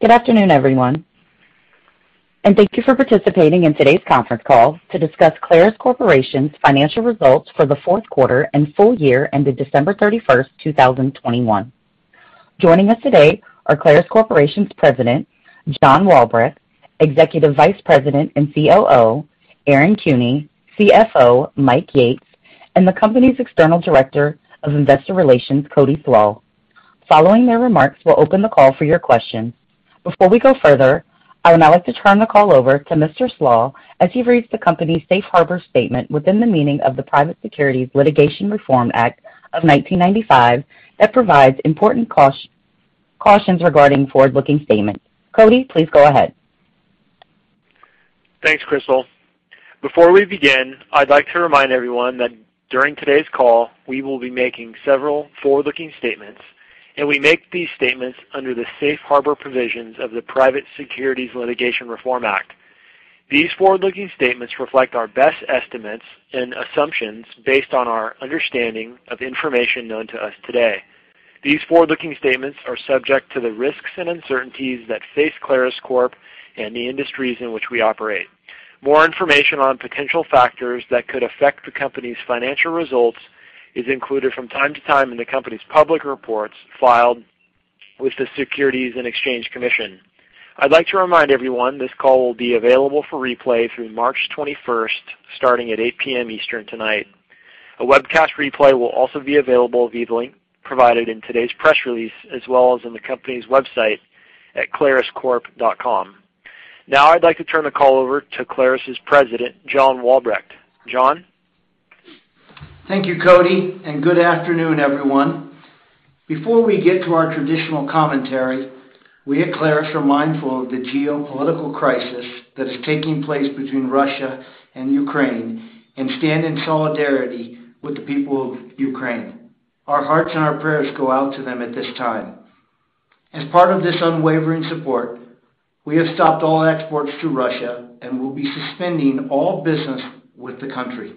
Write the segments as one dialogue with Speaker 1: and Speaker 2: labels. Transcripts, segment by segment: Speaker 1: Good afternoon, everyone, and thank you for participating in today's conference call to discuss Clarus Corporation's financial results for the fourth quarter and full year ended December 31st, 2021. Joining us today are Clarus Corporation's President, John Walbrecht, Executive Vice President and COO, Aaron Kuehne, CFO, Mike Yates, and the company's External Director of Investor Relations, Cody Slach. Following their remarks, we'll open the call for your questions. Before we go further, I would now like to turn the call over to Mr. Slach as he reads the company's Safe Harbor statement within the meaning of the Private Securities Litigation Reform Act of 1995 that provides important cautions regarding forward-looking statements. Cody, please go ahead.
Speaker 2: Thanks, Crystal. Before we begin, I'd like to remind everyone that during today's call, we will be making several forward-looking statements, and we make these statements under the safe harbor provisions of the Private Securities Litigation Reform Act. These forward-looking statements reflect our best estimates and assumptions based on our understanding of information known to us today. These forward-looking statements are subject to the risks and uncertainties that face Clarus Corp and the industries in which we operate. More information on potential factors that could affect the company's financial results is included from time to time in the company's public reports filed with the Securities and Exchange Commission. I'd like to remind everyone this call will be available for replay through March 21st, starting at 8:00 P.M. Eastern tonight. A webcast replay will also be available via the link provided in today's press release, as well as on the company's website at claruscorp.com. Now I'd like to turn the call over to Clarus's President, John Walbrecht. John?
Speaker 3: Thank you, Cody, and good afternoon, everyone. Before we get to our traditional commentary, we at Clarus are mindful of the geopolitical crisis that is taking place between Russia and Ukraine and stand in solidarity with the people of Ukraine. Our hearts and our prayers go out to them at this time. As part of this unwavering support, we have stopped all exports to Russia and will be suspending all business with the country.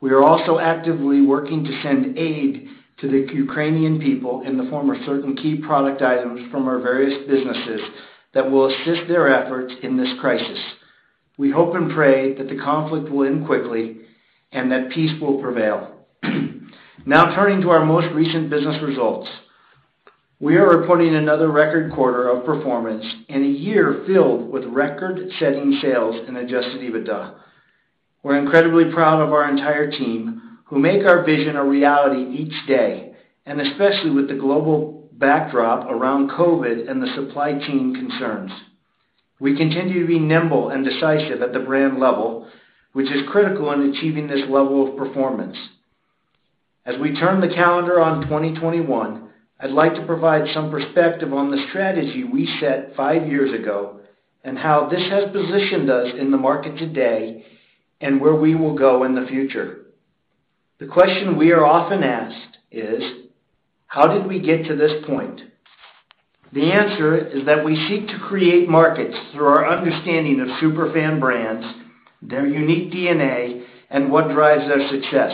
Speaker 3: We are also actively working to send aid to the Ukrainian people in the form of certain key product items from our various businesses that will assist their efforts in this crisis. We hope and pray that the conflict will end quickly and that peace will prevail. Now turning to our most recent business results. We are reporting another record quarter of performance and a year filled with record-setting sales in adjusted EBITDA. We're incredibly proud of our entire team who make our vision a reality each day, and especially with the global backdrop around COVID and the supply chain concerns. We continue to be nimble and decisive at the brand level, which is critical in achieving this level of performance. As we turn the calendar on 2021, I'd like to provide some perspective on the strategy we set five years ago and how this has positioned us in the market today and where we will go in the future. The question we are often asked is: how did we get to this point? The answer is that we seek to create markets through our understanding of super fan brands, their unique DNA, and what drives their success.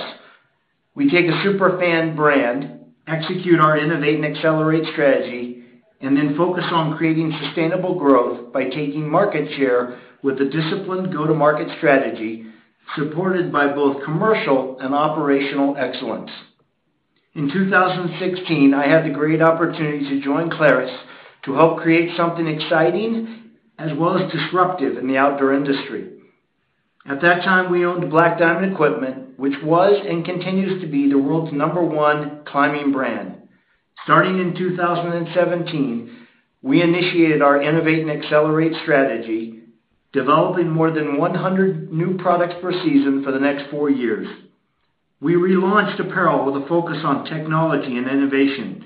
Speaker 3: We take a super fan brand, execute our innovate and accelerate strategy, and then focus on creating sustainable growth by taking market share with a disciplined go-to-market strategy supported by both commercial and operational excellence. In 2016, I had the great opportunity to join Clarus to help create something exciting as well as disruptive in the outdoor industry. At that time, we owned Black Diamond Equipment, which was and continues to be the world's number one climbing brand. Starting in 2017, we initiated our innovate and accelerate strategy, developing more than 100 new products per season for the next four years. We relaunched apparel with a focus on technology and innovation,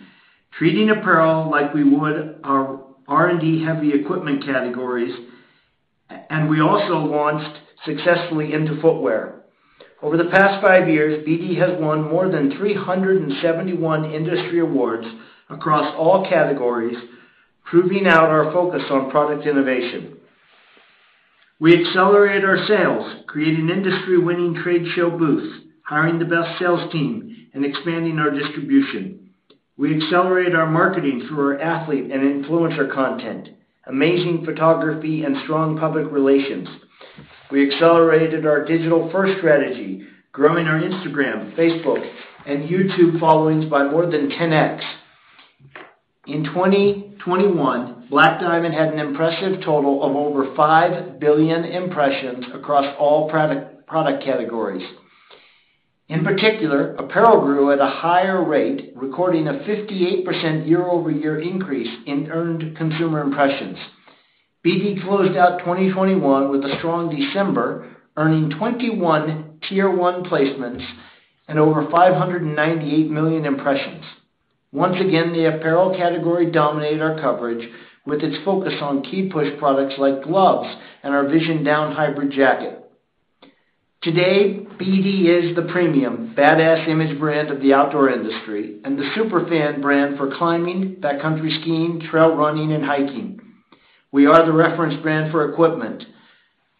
Speaker 3: treating apparel like we would our R&D-heavy equipment categories, and we also launched successfully into footwear. Over the past five years, BD has won more than 371 industry awards across all categories, proving out our focus on product innovation. We accelerated our sales, creating industry-winning trade show booths, hiring the best sales team, and expanding our distribution. We accelerated our marketing through our athlete and influencer content, amazing photography, and strong public relations. We accelerated our digital-first strategy, growing our Instagram, Facebook, and YouTube followings by more than 10x. In 2021, Black Diamond had an impressive total of over 5 billion impressions across all product categories. In particular, apparel grew at a higher rate, recording a 58% year-over-year increase in earned consumer impressions. BD closed out 2021 with a strong December, earning 21 tier one placements and over 598 million impressions. Once again, the apparel category dominated our coverage with its focus on key push products like gloves and our Vision Down Hybrid jacket. Today, BD is the premium badass image brand of the outdoor industry and the super fan brand for climbing, backcountry skiing, trail running, and hiking. We are the reference brand for equipment,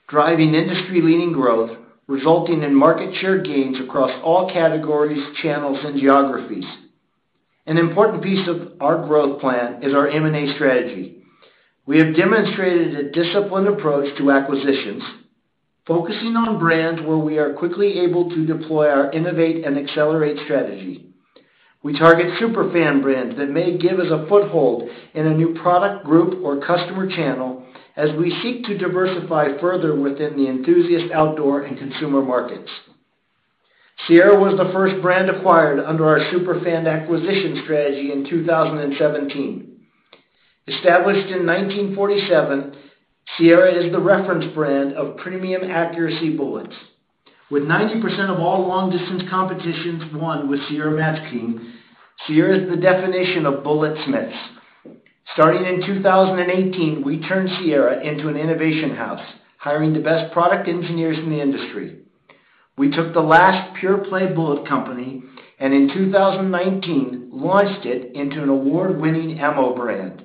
Speaker 3: driving industry-leading growth, resulting in market share gains across all categories, channels and geographies. An important piece of our growth plan is our M&A strategy. We have demonstrated a disciplined approach to acquisitions, focusing on brands where we are quickly able to deploy our innovate and accelerate strategy. We target super fan brands that may give us a foothold in a new product group or customer channel as we seek to diversify further within the enthusiast outdoor and consumer markets. Sierra was the first brand acquired under our super fan acquisition strategy in 2017. Established in 1947, Sierra is the reference brand of premium accuracy bullets. With 90% of all long-distance competitions won with Sierra MatchKing, Sierra is the definition of bullet smiths. Starting in 2018, we turned Sierra into an innovation house, hiring the best product engineers in the industry. We took the last pure play bullet company and in 2019 launched it into an award-winning ammo brand.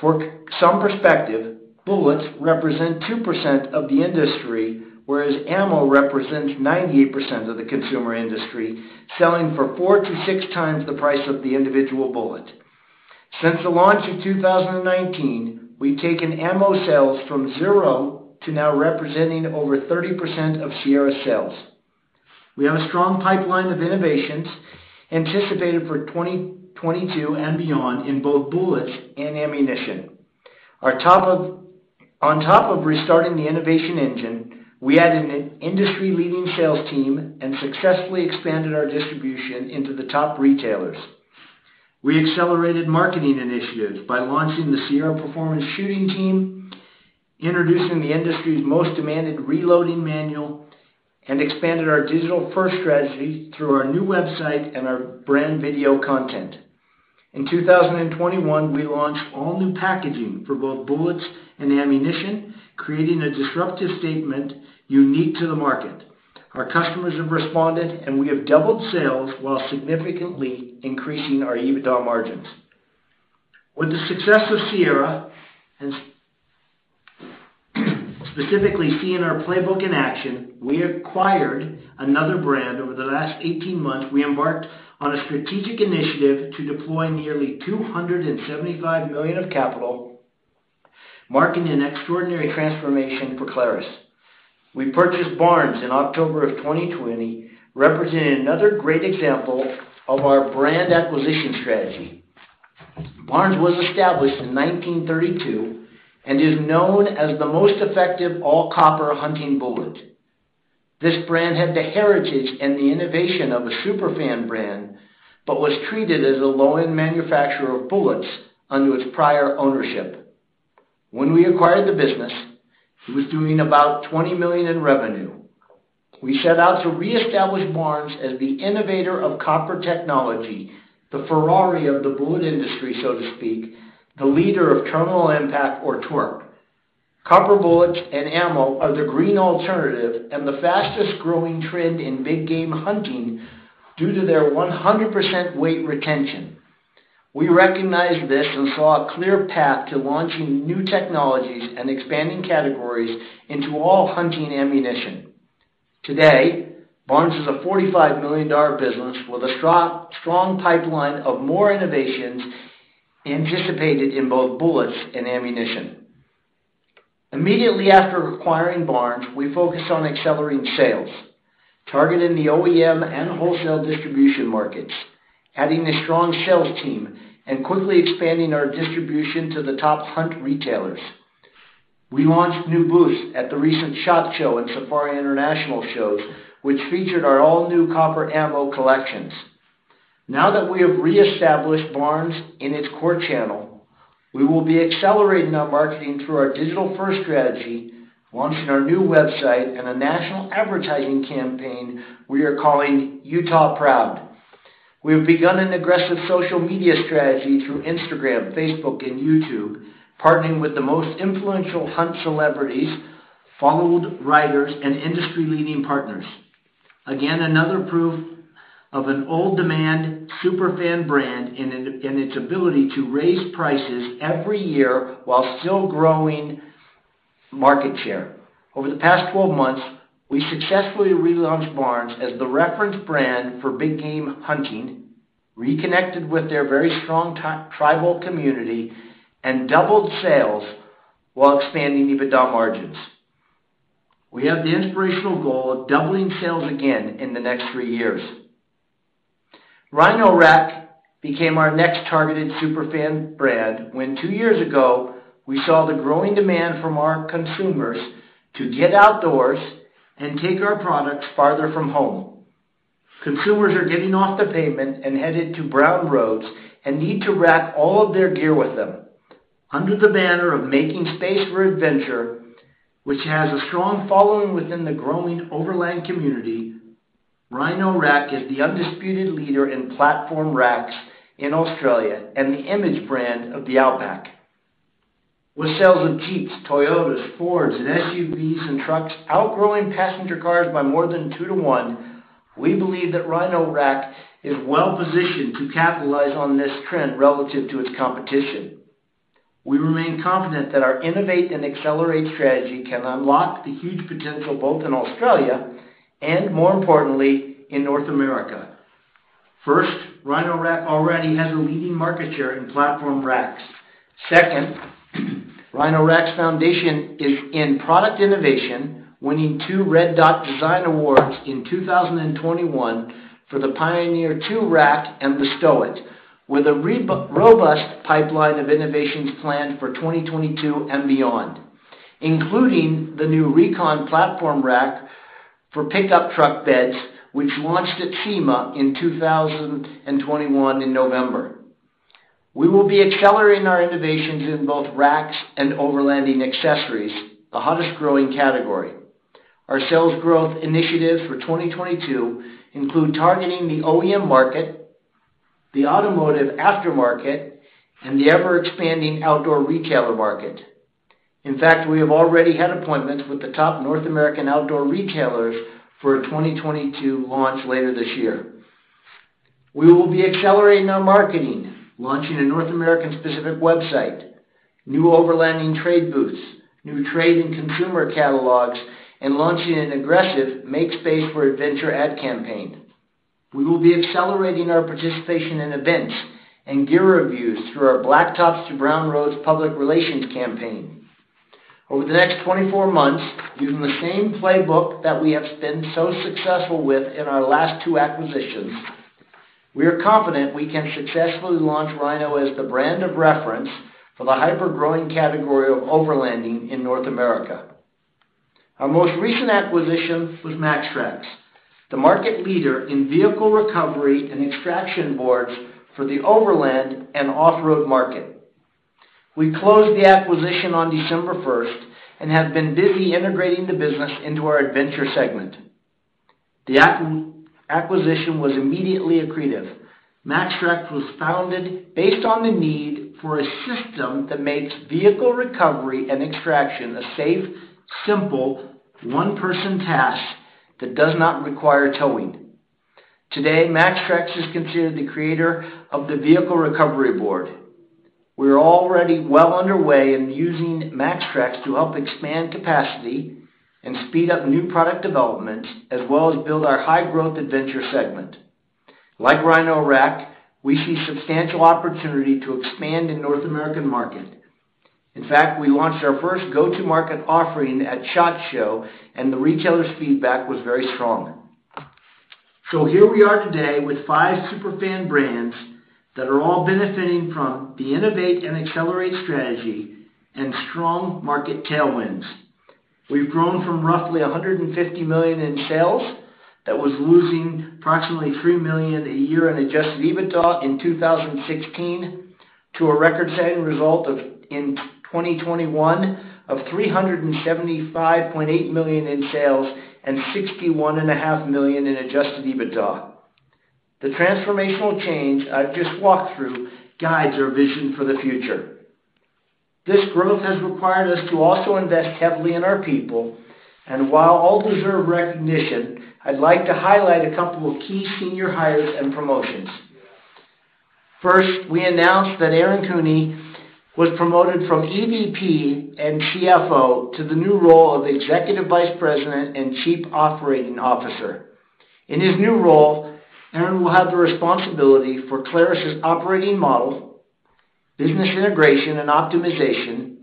Speaker 3: For some perspective, bullets represent 2% of the industry, whereas ammo represents 98% of the consumer industry, selling for four-six times the price of the individual bullet. Since the launch in 2019, we've taken ammo sales from zero to now representing over 30% of Sierra's sales. We have a strong pipeline of innovations anticipated for 2022 and beyond in both bullets and ammunition. On top of restarting the innovation engine, we added an industry leading sales team and successfully expanded our distribution into the top retailers. We accelerated marketing initiatives by launching Team Sierra, introducing the industry's most demanded reloading manual, and expanded our digital first strategy through our new website and our brand video content. In 2021, we launched all new packaging for both bullets and ammunition, creating a disruptive statement unique to the market. Our customers have responded, and we have doubled sales while significantly increasing our EBITDA margins. With the success of Sierra and specifically seeing our playbook in action, we acquired another brand. Over the last 18 months, we embarked on a strategic initiative to deploy nearly $275 million of capital, marking an extraordinary transformation for Clarus. We purchased Barnes in October of 2020, representing another great example of our brand acquisition strategy. Barnes was established in 1932 and is known as the most effective all-copper hunting bullet. This brand had the heritage and the innovation of a super fan brand, but was treated as a low-end manufacturer of bullets under its prior ownership. When we acquired the business, it was doing about $20 million in revenue. We set out to reestablish Barnes as the innovator of copper technology, the Ferrari of the bullet industry, so to speak, the leader of terminal impact or torque. Copper bullets and ammo are the green alternative and the fastest growing trend in big game hunting due to their 100% weight retention. We recognized this and saw a clear path to launching new technologies and expanding categories into all hunting ammunition. Today, Barnes is a $45 million business with a strong pipeline of more innovations anticipated in both bullets and ammunition. Immediately after acquiring Barnes, we focused on accelerating sales, targeting the OEM and wholesale distribution markets, adding a strong sales team, and quickly expanding our distribution to the top hunt retailers. We launched new booths at the recent SHOT Show and Safari Club International Shows, which featured our all new copper ammo collections. Now that we have reestablished Barnes in its core channel, we will be accelerating our marketing through our digital first strategy, launching our new website and a national advertising campaign we are calling Utah Proud. We have begun an aggressive social media strategy through Instagram, Facebook, and YouTube, partnering with the most influential hunt celebrities, followed writers and industry-leading partners. Again, another proof of an in-demand superfan brand and its ability to raise prices every year while still growing market share. Over the past 12 months, we successfully relaunched Barnes as the reference brand for big game hunting, reconnected with their very strong tried-and-true community, and doubled sales while expanding EBITDA margins. We have the inspirational goal of doubling sales again in the next three years. Rhino-Rack became our next targeted super fan brand when two years ago, we saw the growing demand from our consumers to get outdoors and take our products farther from home. Consumers are getting off the pavement and headed to back roads and need to rack all of their gear with them. Under the banner of Making Space for Adventure, which has a strong following within the growing overland community, Rhino-Rack is the undisputed leader in platform racks in Australia and the image brand of the Outback. With sales of Jeeps, Toyotas, Fords, and SUVs and trucks outgrowing passenger cars by more than two-to-one. We believe that Rhino-Rack is well-positioned to capitalize on this trend relative to its competition. We remain confident that our Innovate and Accelerate strategy can unlock the huge potential both in Australia and more importantly, in North America. First, Rhino-Rack already has a leading market share in platform racks. Second, Rhino-Rack's foundation is in product innovation, winning two Red Dot Design Awards in 2021 for the Pioneer Platform rack and the STOW iT, with a rather robust pipeline of innovations planned for 2022 and beyond, including the new Reconn-Deck, which launched at SEMA in November 2021. We will be accelerating our innovations in both racks and overlanding accessories, the hottest-growing category. Our sales growth initiatives for 2022 include targeting the OEM market, the automotive aftermarket, and the ever-expanding outdoor retailer market. In fact, we have already had appointments with the top North American outdoor retailers for a 2022 launch later this year. We will be accelerating our marketing, launching a North American-specific website, new overlanding trade booths, new trade and consumer catalogs, and launching an aggressive Make Space for Adventure ad campaign. We will be accelerating our participation in events and gear reviews through our Blacktops to Brown Roads public relations campaign. Over the next 24 months, using the same playbook that we have been so successful with in our last two acquisitions, we are confident we can successfully launch Rhino as the brand of reference for the hyper-growing category of overlanding in North America. Our most recent acquisition was MAXTRAX, the market leader in vehicle recovery and extraction boards for the overland and off-road market. We closed the acquisition on December 1st and have been busy integrating the business into our adventure segment. The acquisition was immediately accretive. MAXTRAX was founded based on the need for a system that makes vehicle recovery and extraction a safe, simple, one-person task that does not require towing. Today, MAXTRAX is considered the creator of the vehicle recovery board. We're already well underway in using MAXTRAX to help expand capacity and speed up new product developments, as well as build our high-growth adventure segment. Like Rhino-Rack, we see substantial opportunity to expand in the North American market. In fact, we launched our first go-to-market offering at SHOT Show, and the retailers' feedback was very strong. Here we are today with five super fan brands that are all benefiting from the innovate and accelerate strategy and strong market tailwinds. We've grown from roughly $150 million in sales that was losing approximately $3 million a year in adjusted EBITDA in 2016 to a record-setting result in 2021 of $375.8 million in sales and $61.5 million in adjusted EBITDA. The transformational change I've just walked through guides our vision for the future. This growth has required us to also invest heavily in our people, and while all deserve recognition, I'd like to highlight a couple of key senior hires and promotions. First, we announced that Aaron Kuehne was promoted from EVP and CFO to the new role of Executive Vice President and Chief Operating Officer. In his new role, Aaron will have the responsibility for Clarus' operating model, business integration and optimization,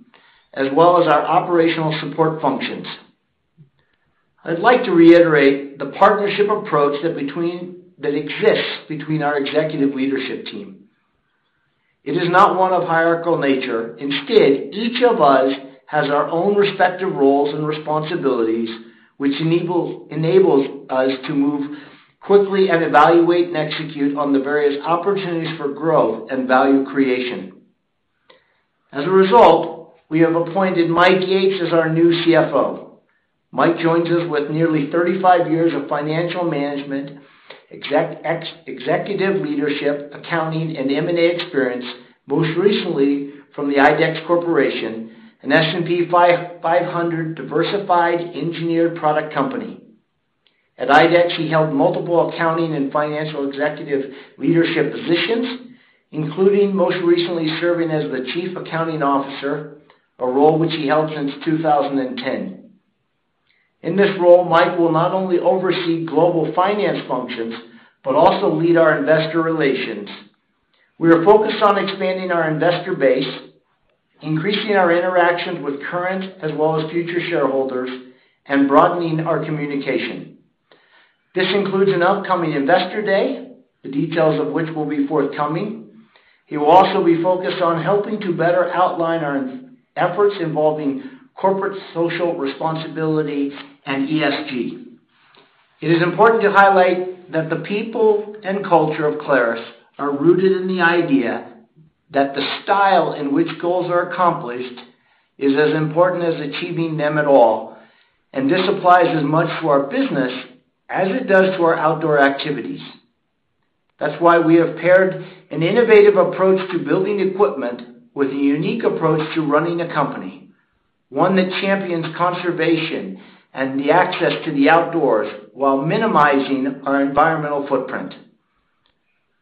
Speaker 3: as well as our operational support functions. I'd like to reiterate the partnership approach that exists between our executive leadership team. It is not one of hierarchical nature. Instead, each of us has our own respective roles and responsibilities, which enables us to move quickly and evaluate and execute on the various opportunities for growth and value creation. As a result, we have appointed Mike Yates as our new CFO. Mike joins us with nearly 35 years of financial management, executive leadership, accounting, and M&A experience, most recently from the IDEX Corporation, an S&P 500 diversified engineered product company. At IDEX, he held multiple accounting and financial executive leadership positions, including most recently serving as the Chief Accounting Officer, a role which he held since 2010. In this role, Mike will not only oversee global finance functions, but also lead our investor relations. We are focused on expanding our investor base, increasing our interactions with current as well as future shareholders, and broadening our communication. This includes an upcoming Investor Day, the details of which will be forthcoming. He will also be focused on helping to better outline our efforts involving corporate social responsibility and ESG. It is important to highlight that the people and culture of Clarus are rooted in the idea that the style in which goals are accomplished is as important as achieving them at all, and this applies as much to our business as it does to our outdoor activities. That's why we have paired an innovative approach to building equipment with a unique approach to running a company, one that champions conservation and the access to the outdoors while minimizing our environmental footprint.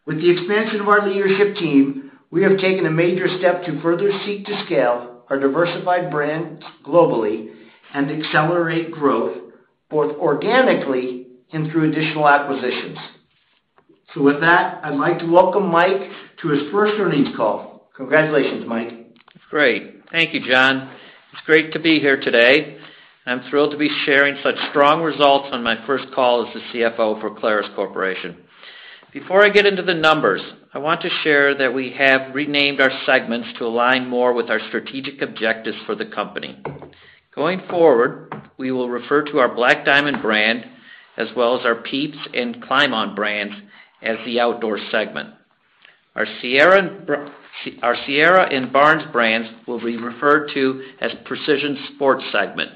Speaker 3: With the expansion of our leadership team, we have taken a major step to further seek to scale our diversified brand globally and accelerate growth, both organically and through additional acquisitions. With that, I'd like to welcome Mike to his first earnings call. Congratulations, Mike.
Speaker 4: Great. Thank you, John. It's great to be here today. I'm thrilled to be sharing such strong results on my first call as the CFO for Clarus Corporation. Before I get into the numbers, I want to share that we have renamed our segments to align more with our strategic objectives for the company. Going forward, we will refer to our Black Diamond brand, as well as our PIEPS and ClimbOn brands as the Outdoor segment. Our Sierra and Barnes brands will be referred to as Precision Sport segment,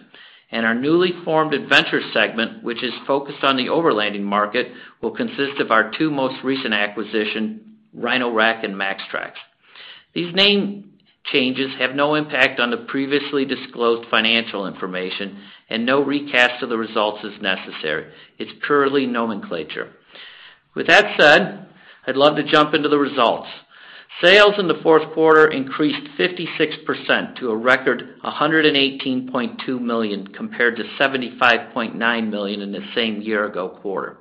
Speaker 4: and our newly formed Adventure segment, which is focused on the overlanding market, will consist of our two most recent acquisition, Rhino-Rack and MAXTRAX. These name changes have no impact on the previously disclosed financial information and no recast of the results is necessary. It's purely nomenclature. With that said, I'd love to jump into the results. Sales in the fourth quarter increased 56% to a record $118.2 million, compared to $75.9 million in the same year-ago quarter.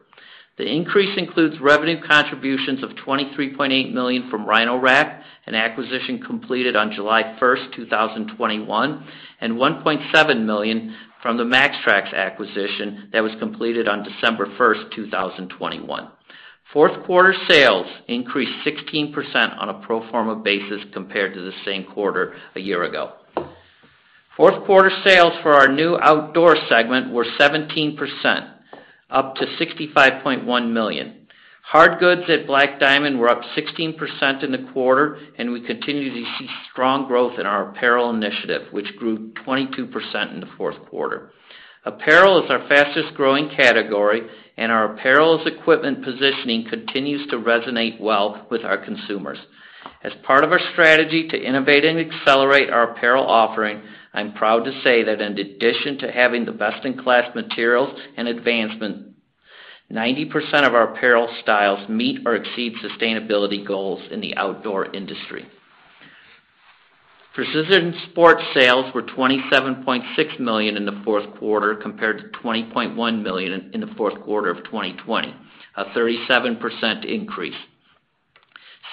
Speaker 4: The increase includes revenue contributions of $23.8 million from Rhino-Rack, an acquisition completed on July 1st, 2021, and $1.7 million from the MAXTRAX acquisition that was completed on December 1st, 2021. Fourth quarter sales increased 16% on a pro forma basis compared to the same quarter a year ago. Fourth quarter sales for our new Outdoor segment were up 17% to $65.1 million. Hard goods at Black Diamond were up 16% in the quarter, and we continue to see strong growth in our apparel initiative, which grew 22% in the fourth quarter. Apparel is our fastest-growing category, and our apparel's equipment positioning continues to resonate well with our consumers. As part of our strategy to innovate and accelerate our apparel offering, I'm proud to say that in addition to having the best-in-class materials and advancement, 90% of our apparel styles meet or exceed sustainability goals in the outdoor industry. Precision Sport sales were $27.6 million in the fourth quarter, compared to $20.1 million in the fourth quarter of 2020, a 37% increase.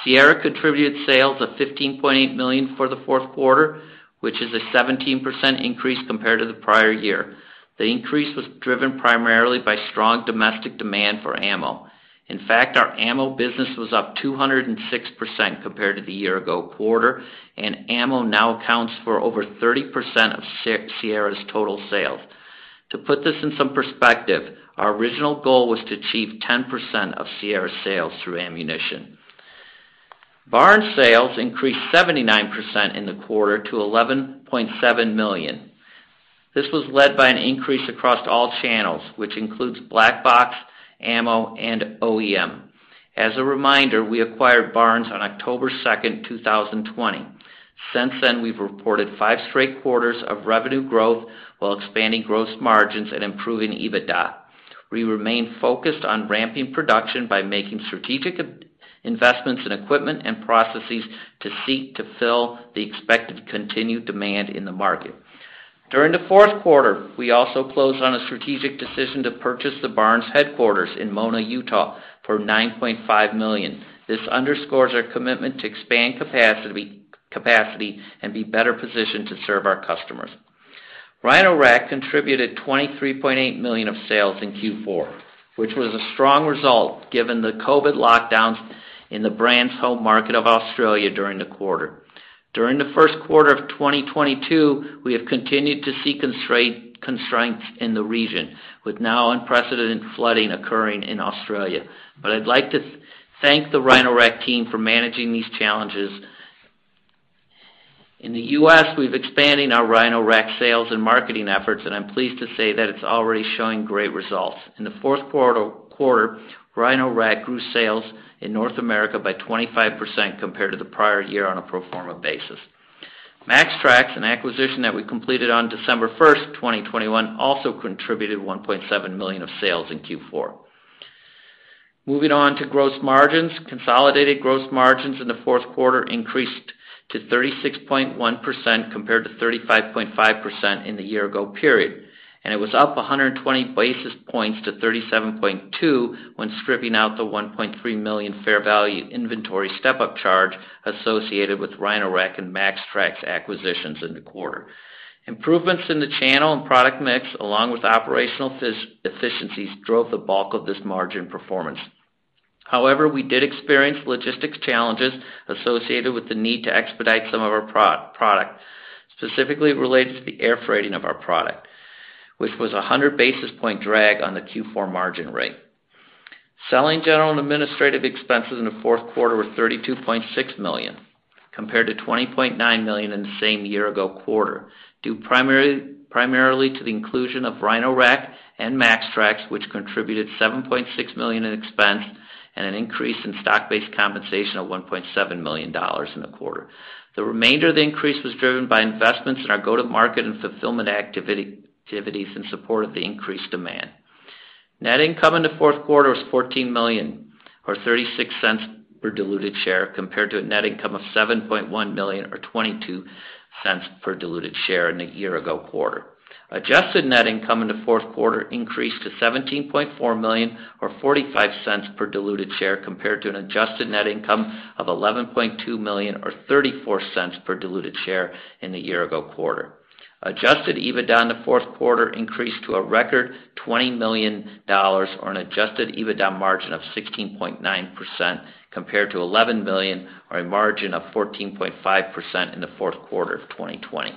Speaker 4: Sierra contributed sales of $15.8 million for the fourth quarter, which is a 17% increase compared to the prior year. The increase was driven primarily by strong domestic demand for ammo. In fact, our ammo business was up 206% compared to the year ago quarter, and ammo now accounts for over 30% of Sierra's total sales. To put this in some perspective, our original goal was to achieve 10% of Sierra's sales through ammunition. Barnes sales increased 79% in the quarter to $11.7 million. This was led by an increase across all channels, which includes Black Box, Ammo, and OEM. As a reminder, we acquired Barnes on October 2nd, 2020. Since then, we've reported five straight quarters of revenue growth while expanding gross margins and improving EBITDA. We remain focused on ramping production by making strategic investments in equipment and processes to seek to fill the expected continued demand in the market. During the fourth quarter, we also closed on a strategic decision to purchase the Barnes headquarters in Mona, Utah, for $9.5 million. This underscores our commitment to expand capacity and be better positioned to serve our customers. Rhino-Rack contributed $23.8 million of sales in Q4, which was a strong result given the COVID lockdowns in the brand's home market of Australia during the quarter. During the first quarter of 2022, we have continued to see constraints in the region, with now unprecedented flooding occurring in Australia. I'd like to thank the Rhino-Rack team for managing these challenges. In the U.S., we're expanding our Rhino-Rack sales and marketing efforts, and I'm pleased to say that it's already showing great results. In the fourth quarter, Rhino-Rack grew sales in North America by 25% compared to the prior year on a pro forma basis. MAXTRAX, an acquisition that we completed on December 1st, 2021, also contributed $1.7 million of sales in Q4. Moving on to gross margins. Consolidated gross margins in the fourth quarter increased to 36.1% compared to 35.5% in the year ago period, and it was up 120 basis points to 37.2% when stripping out the $1.3 million fair value inventory step-up charge associated with Rhino-Rack and MAXTRAX acquisitions in the quarter. Improvements in the channel and product mix, along with operational efficiencies, drove the bulk of this margin performance. However, we did experience logistics challenges associated with the need to expedite some of our product, specifically related to the air freighting of our product, which was a 100 basis point drag on the Q4 margin rate. Selling, general, and administrative expenses in the fourth quarter were $32.6 million compared to $20.9 million in the same year ago quarter, due primarily to the inclusion of Rhino-Rack and MAXTRAX, which contributed $7.6 million in expense and an increase in stock-based compensation of $1.7 million in the quarter. The remainder of the increase was driven by investments in our go-to-market and fulfillment activities in support of the increased demand. Net income in the fourth quarter was $14 million or $0.36 per diluted share, compared to a net income of $7.1 million or $0.22 per diluted share in the year ago quarter. Adjusted net income in the fourth quarter increased to $17.4 million or $0.45 per diluted share compared to an adjusted net income of $11.2 million or $0.34 per diluted share in the year ago quarter. Adjusted EBITDA in the fourth quarter increased to a record $20 million on an adjusted EBITDA margin of 16.9% compared to $11 million on a margin of 14.5% in the fourth quarter of 2020.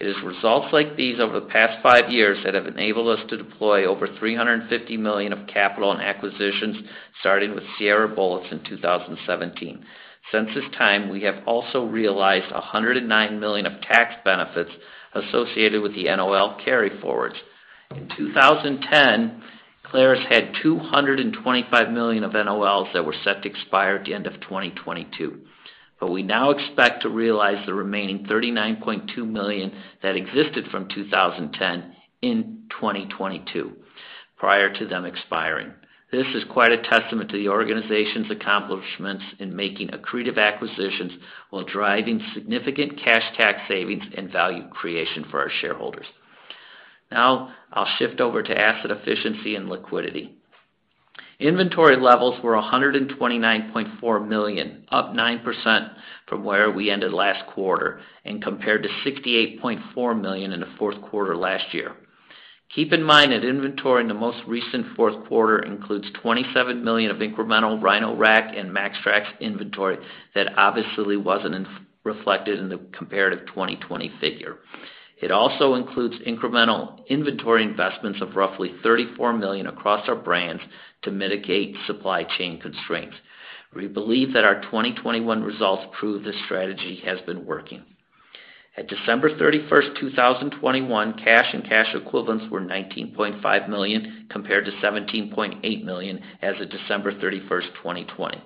Speaker 4: It is results like these over the past five years that have enabled us to deploy over $350 million of capital and acquisitions, starting with Sierra Bullets in 2017. Since this time, we have also realized $109 million of tax benefits associated with the NOL carryforwards. In 2010, Clarus had $225 million of NOLs that were set to expire at the end of 2022. We now expect to realize the remaining $39.2 million that existed from 2010 in 2022 prior to them expiring. This is quite a testament to the organization's accomplishments in making accretive acquisitions while driving significant cash tax savings and value creation for our shareholders. Now I'll shift over to asset efficiency and liquidity. Inventory levels were $129.4 million, up 9% from where we ended last quarter and compared to $68.4 million in the fourth quarter last year. Keep in mind that inventory in the most recent fourth quarter includes $27 million of incremental Rhino-Rack and MAXTRAX inventory that obviously wasn't reflected in the comparative 2020 figure. It also includes incremental inventory investments of roughly $34 million across our brands to mitigate supply chain constraints. We believe that our 2021 results prove this strategy has been working. At December 31st, 2021, cash and cash equivalents were $19.5 million, compared to $17.8 million as of December 31st, 2020.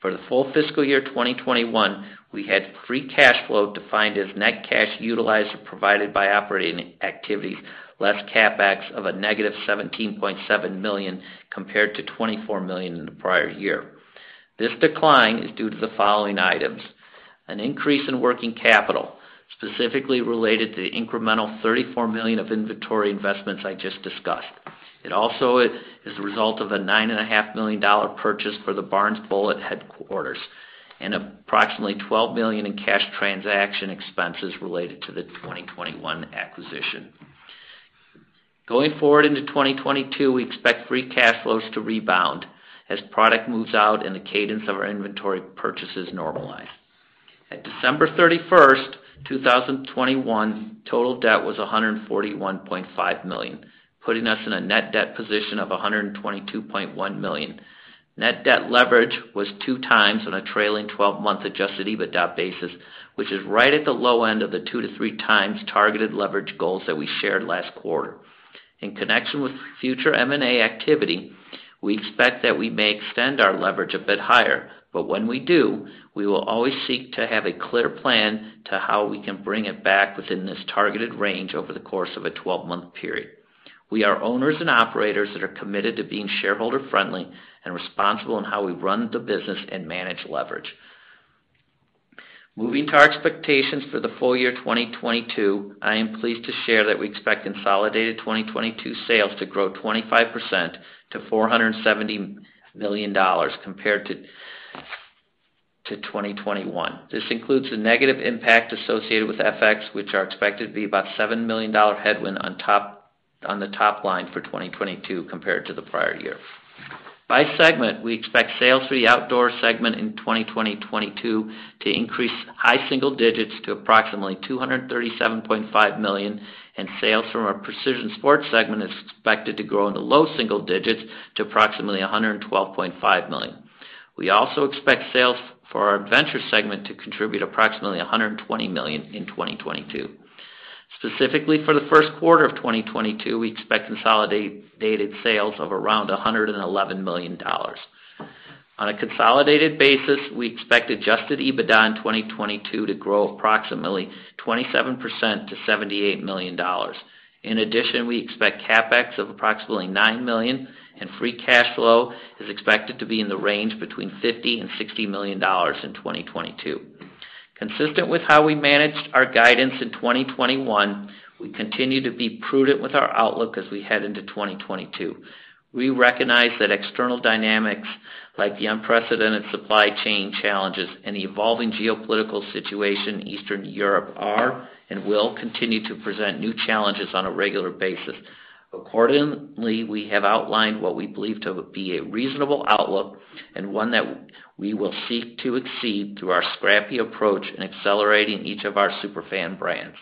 Speaker 4: For the full fiscal year 2021, we had free cash flow defined as net cash utilized or provided by operating activities, less CapEx of negative $17.7 million compared to $24 million in the prior year. This decline is due to the following items. An increase in working capital, specifically related to the incremental $34 million of inventory investments I just discussed. It also is a result of a $9.5 million purchase for the Barnes Bullets headquarters and approximately $12 million in cash transaction expenses related to the 2021 acquisition. Going forward into 2022, we expect free cash flows to rebound as product moves out and the cadence of our inventory purchases normalize. At December 31st, 2021, total debt was $141.5 million, putting us in a net debt position of $122.1 million. Net debt leverage was 2x on a trailing 12-month adjusted EBITDA basis, which is right at the low end of the 2x-3x targeted leverage goals that we shared last quarter. In connection with future M&A activity, we expect that we may extend our leverage a bit higher, but when we do, we will always seek to have a clear plan to how we can bring it back within this targeted range over the course of a 12-month period. We are owners and operators that are committed to being shareholder-friendly and responsible in how we run the business and manage leverage. Moving to our expectations for the full year 2022, I am pleased to share that we expect consolidated 2022 sales to grow 25% to $470 million compared to 2021. This includes the negative impact associated with FX, which are expected to be about $7 million headwind on the top line for 2022 compared to the prior year. By segment, we expect sales for the Outdoor segment in 2022 to increase in the high single digits to approximately $237.5 million, and sales from our Precision Sport segment is expected to grow in the low single digits to approximately $112.5 million. We also expect sales for our Adventure segment to contribute approximately $120 million in 2022. Specifically for the first quarter of 2022, we expect consolidated sales of around $111 million. On a consolidated basis, we expect adjusted EBITDA in 2022 to grow approximately 27% to $78 million. In addition, we expect CapEx of approximately $9 million, and free cash flow is expected to be in the range between $50 million and $60 million in 2022. Consistent with how we managed our guidance in 2021, we continue to be prudent with our outlook as we head into 2022. We recognize that external dynamics like the unprecedented supply chain challenges and the evolving geopolitical situation in Eastern Europe are and will continue to present new challenges on a regular basis. Accordingly, we have outlined what we believe to be a reasonable outlook and one that we will seek to exceed through our scrappy approach in accelerating each of our super fan brands.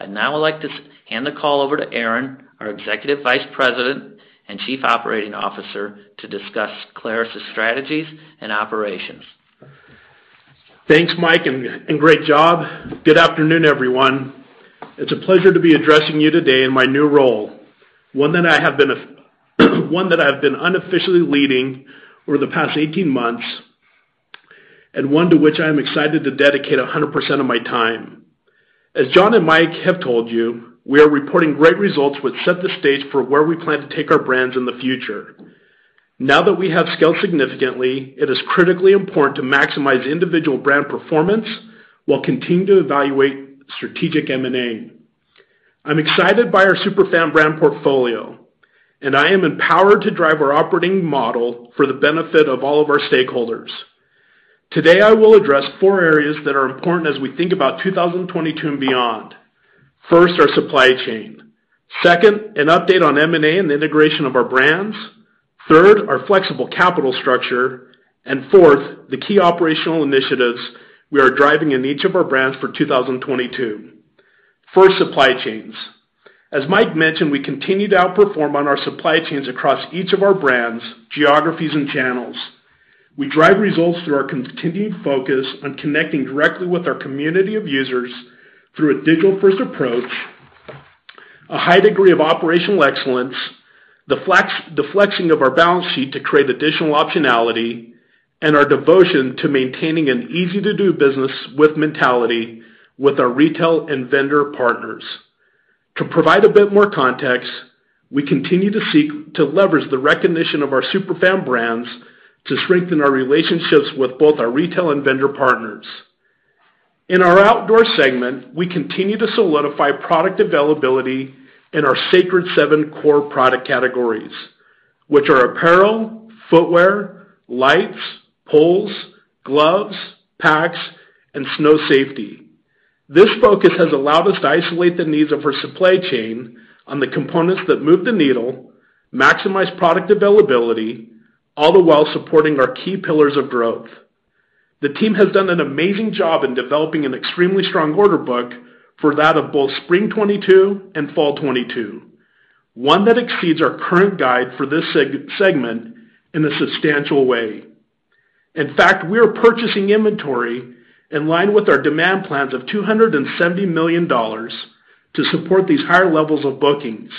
Speaker 4: I'd now like to hand the call over to Aaron, our Executive Vice President and Chief Operating Officer, to discuss Clarus' strategies and operations.
Speaker 5: Thanks, Mike, and great job. Good afternoon, everyone. It's a pleasure to be addressing you today in my new role, one that I've been unofficially leading over the past 18 months, and one to which I am excited to dedicate 100% of my time. As John and Mike have told you, we are reporting great results which set the stage for where we plan to take our brands in the future. Now that we have scaled significantly, it is critically important to maximize individual brand performance while continuing to evaluate strategic M&A. I'm excited by our superb brand portfolio, and I am empowered to drive our operating model for the benefit of all of our stakeholders. Today, I will address four areas that are important as we think about 2022 and beyond. First, our supply chain. Second, an update on M&A and the integration of our brands. Third, our flexible capital structure. Fourth, the key operational initiatives we are driving in each of our brands for 2022. First, supply chains. As Mike mentioned, we continue to outperform on our supply chains across each of our brands, geographies, and channels. We drive results through our continued focus on connecting directly with our community of users through a digital-first approach, a high degree of operational excellence, flexing of our balance sheet to create additional optionality, and our devotion to maintaining an easy-to-do-business-with mentality with our retail and vendor partners. To provide a bit more context, we continue to seek to leverage the recognition of our super fan brands to strengthen our relationships with both our retail and vendor partners. In our outdoor segment, we continue to solidify product availability in our Sacred Seven core product categories, which are apparel, footwear, lights, poles, gloves, packs, and snow safety. This focus has allowed us to isolate the needs of our supply chain on the components that move the needle, maximize product availability, all the while supporting our key pillars of growth. The team has done an amazing job in developing an extremely strong order book for that of both spring 2022 and fall 2022, one that exceeds our current guide for this segment in a substantial way. In fact, we are purchasing inventory in line with our demand plans of $270 million to support these higher levels of bookings.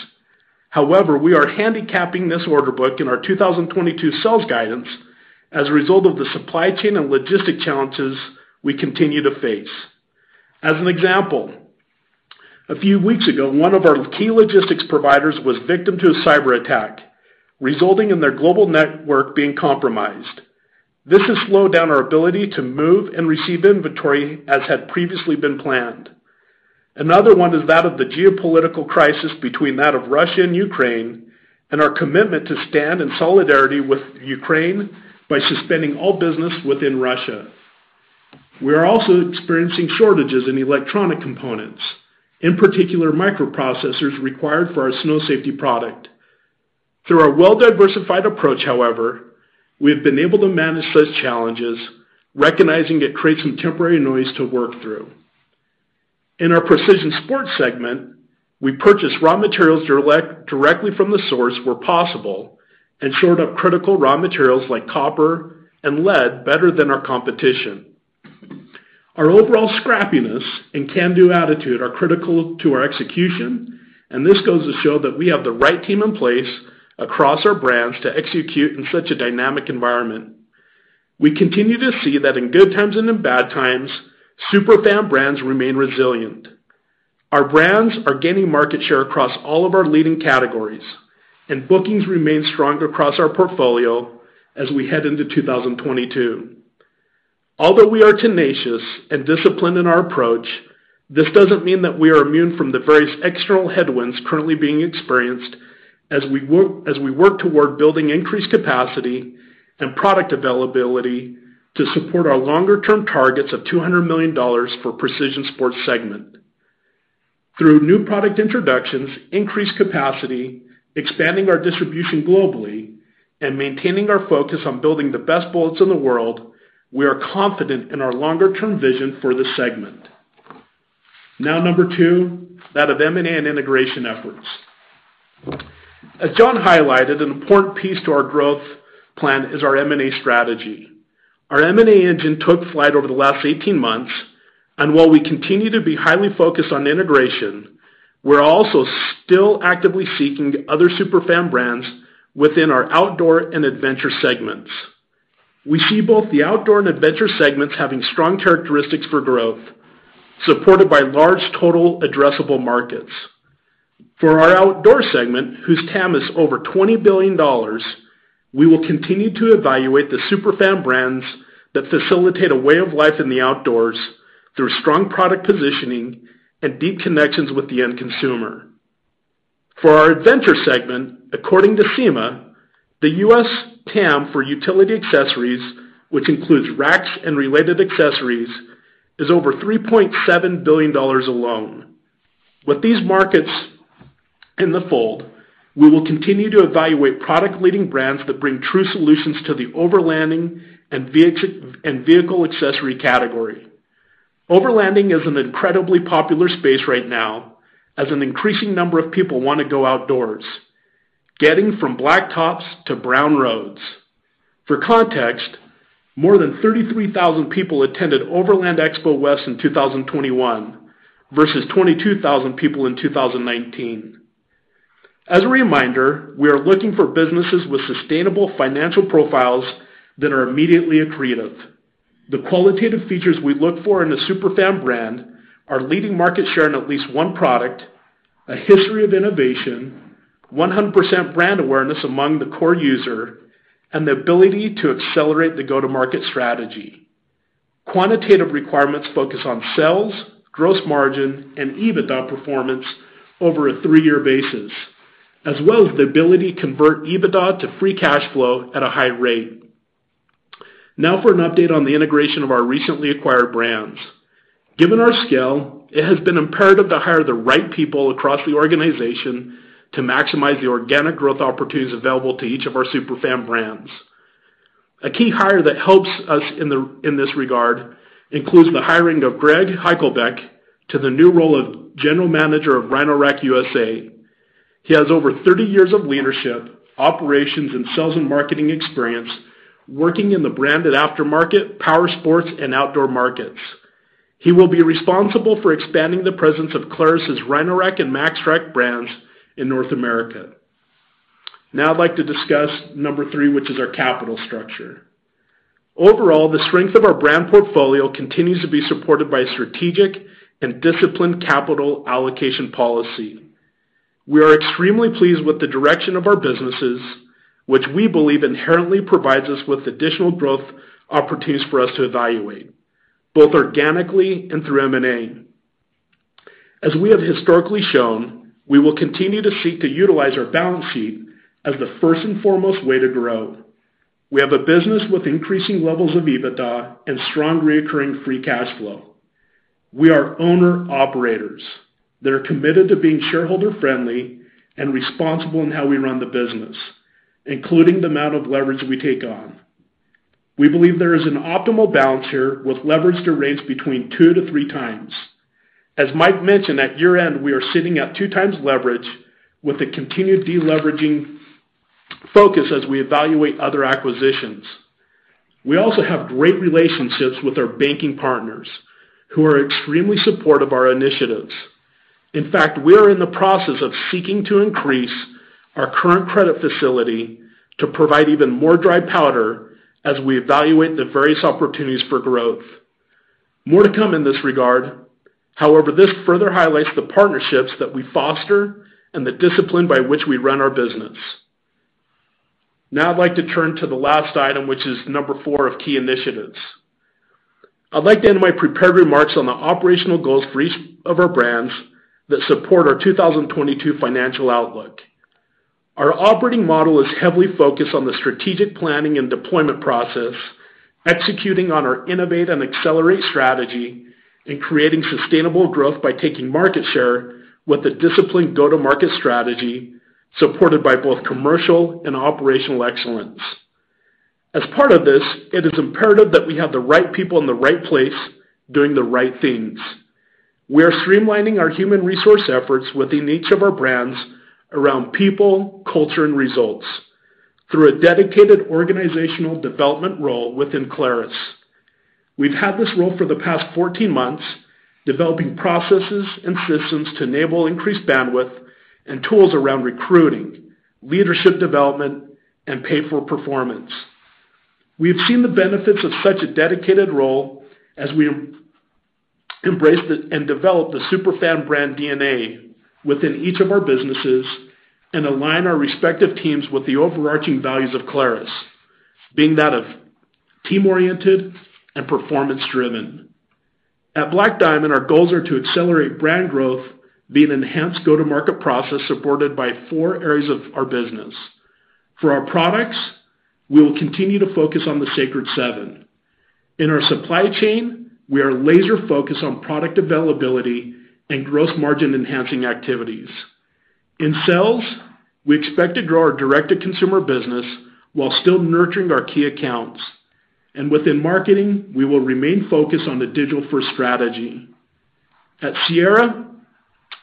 Speaker 5: However, we are handicapping this order book in our 2022 sales guidance as a result of the supply chain and logistics challenges we continue to face. As an example, a few weeks ago, one of our key logistics providers was victim to a cyberattack, resulting in their global network being compromised. This has slowed down our ability to move and receive inventory as had previously been planned. Another one is that of the geopolitical crisis between that of Russia and Ukraine, and our commitment to stand in solidarity with Ukraine by suspending all business within Russia. We are also experiencing shortages in electronic components, in particular microprocessors required for our snow safety product. Through our well-diversified approach, however, we have been able to manage such challenges, recognizing it creates some temporary noise to work through. In our Precision Sport segment, we purchase raw materials directly from the source where possible and shored up critical raw materials like copper and lead better than our competition. Our overall scrappiness and can-do attitude are critical to our execution, and this goes to show that we have the right team in place across our brands to execute in such a dynamic environment. We continue to see that in good times and in bad times, super fan brands remain resilient. Our brands are gaining market share across all of our leading categories, and bookings remain strong across our portfolio as we head into 2022. Although we are tenacious and disciplined in our approach, this doesn't mean that we are immune from the various external headwinds currently being experienced as we work toward building increased capacity and product availability to support our longer-term targets of $200 million for Precision Sport segment. Through new product introductions, increased capacity, expanding our distribution globally, and maintaining our focus on building the best bullets in the world, we are confident in our longer-term vision for this segment. Now number two, that of M&A and integration efforts. As John highlighted, an important piece to our growth plan is our M&A strategy. Our M&A engine took flight over the last 18 months, and while we continue to be highly focused on integration, we're also still actively seeking other super fan brands within our outdoor and adventure segments. We see both the outdoor and adventure segments having strong characteristics for growth, supported by large total addressable markets. For our outdoor segment, whose TAM is over $20 billion, we will continue to evaluate the super fan brands that facilitate a way of life in the outdoors through strong product positioning and deep connections with the end consumer. For our adventure segment, according to SEMA, the U.S. TAM for utility accessories, which includes racks and related accessories, is over $3.7 billion alone. We will continue to evaluate product-leading brands that bring true solutions to the overlanding and vehicle accessory category. Overlanding is an incredibly popular space right now as an increasing number of people wanna go outdoors, getting from blacktops to brown roads. For context, more than 33,000 people attended Overland Expo West in 2021 versus 22,000 people in 2019. As a reminder, we are looking for businesses with sustainable financial profiles that are immediately accretive. The qualitative features we look for in a super fan brand are leading market share in at least one product, a history of innovation, 100% brand awareness among the core user, and the ability to accelerate the go-to-market strategy. Quantitative requirements focus on sales, gross margin, and EBITDA performance over a three-year basis, as well as the ability to convert EBITDA to free cash flow at a high rate. Now for an update on the integration of our recently acquired brands. Given our scale, it has been imperative to hire the right people across the organization to maximize the organic growth opportunities available to each of our super fan brands. A key hire that helps us in this regard includes the hiring of Greg Heichelbech to the new role of General Manager of Rhino-Rack USA. He has over 30 years of leadership, operations, and sales and marketing experience working in the branded aftermarket, power sports, and outdoor markets. He will be responsible for expanding the presence of Clarus' Rhino-Rack and MAXTRAX brands in North America. Now I'd like to discuss number three, which is our capital structure. Overall, the strength of our brand portfolio continues to be supported by strategic and disciplined capital allocation policy. We are extremely pleased with the direction of our businesses, which we believe inherently provides us with additional growth opportunities for us to evaluate, both organically and through M&A. As we have historically shown, we will continue to seek to utilize our balance sheet as the first and foremost way to grow. We have a business with increasing levels of EBITDA and strong recurring free cash flow. We are owner-operators that are committed to being shareholder-friendly and responsible in how we run the business, including the amount of leverage we take on. We believe there is an optimal balance here with leverage ratios between 2x-3x. As Mike mentioned, at year-end, we are sitting at 2x leverage with a continued deleveraging focus as we evaluate other acquisitions. We also have great relationships with our banking partners, who are extremely supportive of our initiatives. In fact, we are in the process of seeking to increase our current credit facility to provide even more dry powder as we evaluate the various opportunities for growth. More to come in this regard. However, this further highlights the partnerships that we foster and the discipline by which we run our business. Now I'd like to turn to the last item, which is number four of key initiatives. I'd like to end my prepared remarks on the operational goals for each of our brands that support our 2022 financial outlook. Our operating model is heavily focused on the strategic planning and deployment process, executing on our innovate and accelerate strategy, and creating sustainable growth by taking market share with a disciplined go-to-market strategy supported by both commercial and operational excellence. As part of this, it is imperative that we have the right people in the right place doing the right things. We are streamlining our human resource efforts within each of our brands around people, culture, and results through a dedicated organizational development role within Clarus. We've had this role for the past 14 months, developing processes and systems to enable increased bandwidth and tools around recruiting, leadership development, and pay for performance. We have seen the benefits of such a dedicated role as we embrace and develop the super fan brand DNA within each of our businesses and align our respective teams with the overarching values of Clarus, being that of team-oriented and performance-driven. At Black Diamond, our goals are to accelerate brand growth via an enhanced go-to-market process supported by four areas of our business. For our products, we will continue to focus on the Sacred Seven. In our supply chain, we are laser-focused on product availability and gross margin-enhancing activities. In sales, we expect to grow our direct-to-consumer business while still nurturing our key accounts. Within marketing, we will remain focused on the digital-first strategy. At Sierra,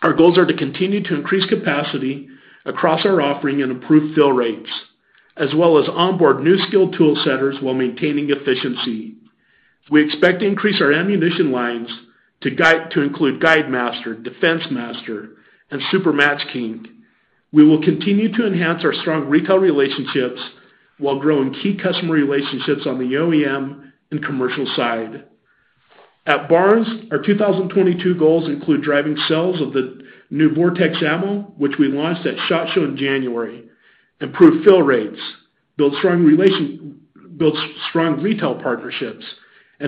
Speaker 5: our goals are to continue to increase capacity across our offering and improve fill rates, as well as onboard new skilled tool setters while maintaining efficiency. We expect to increase our ammunition lines to include Guide Master, Defense Master, and Super MatchKing. We will continue to enhance our strong retail relationships while growing key customer relationships on the OEM and commercial side. At Barnes, our 2022 goals include driving sales of the new VOR-TX ammo, which we launched at SHOT Show in January, improve fill rates, build strong retail partnerships, and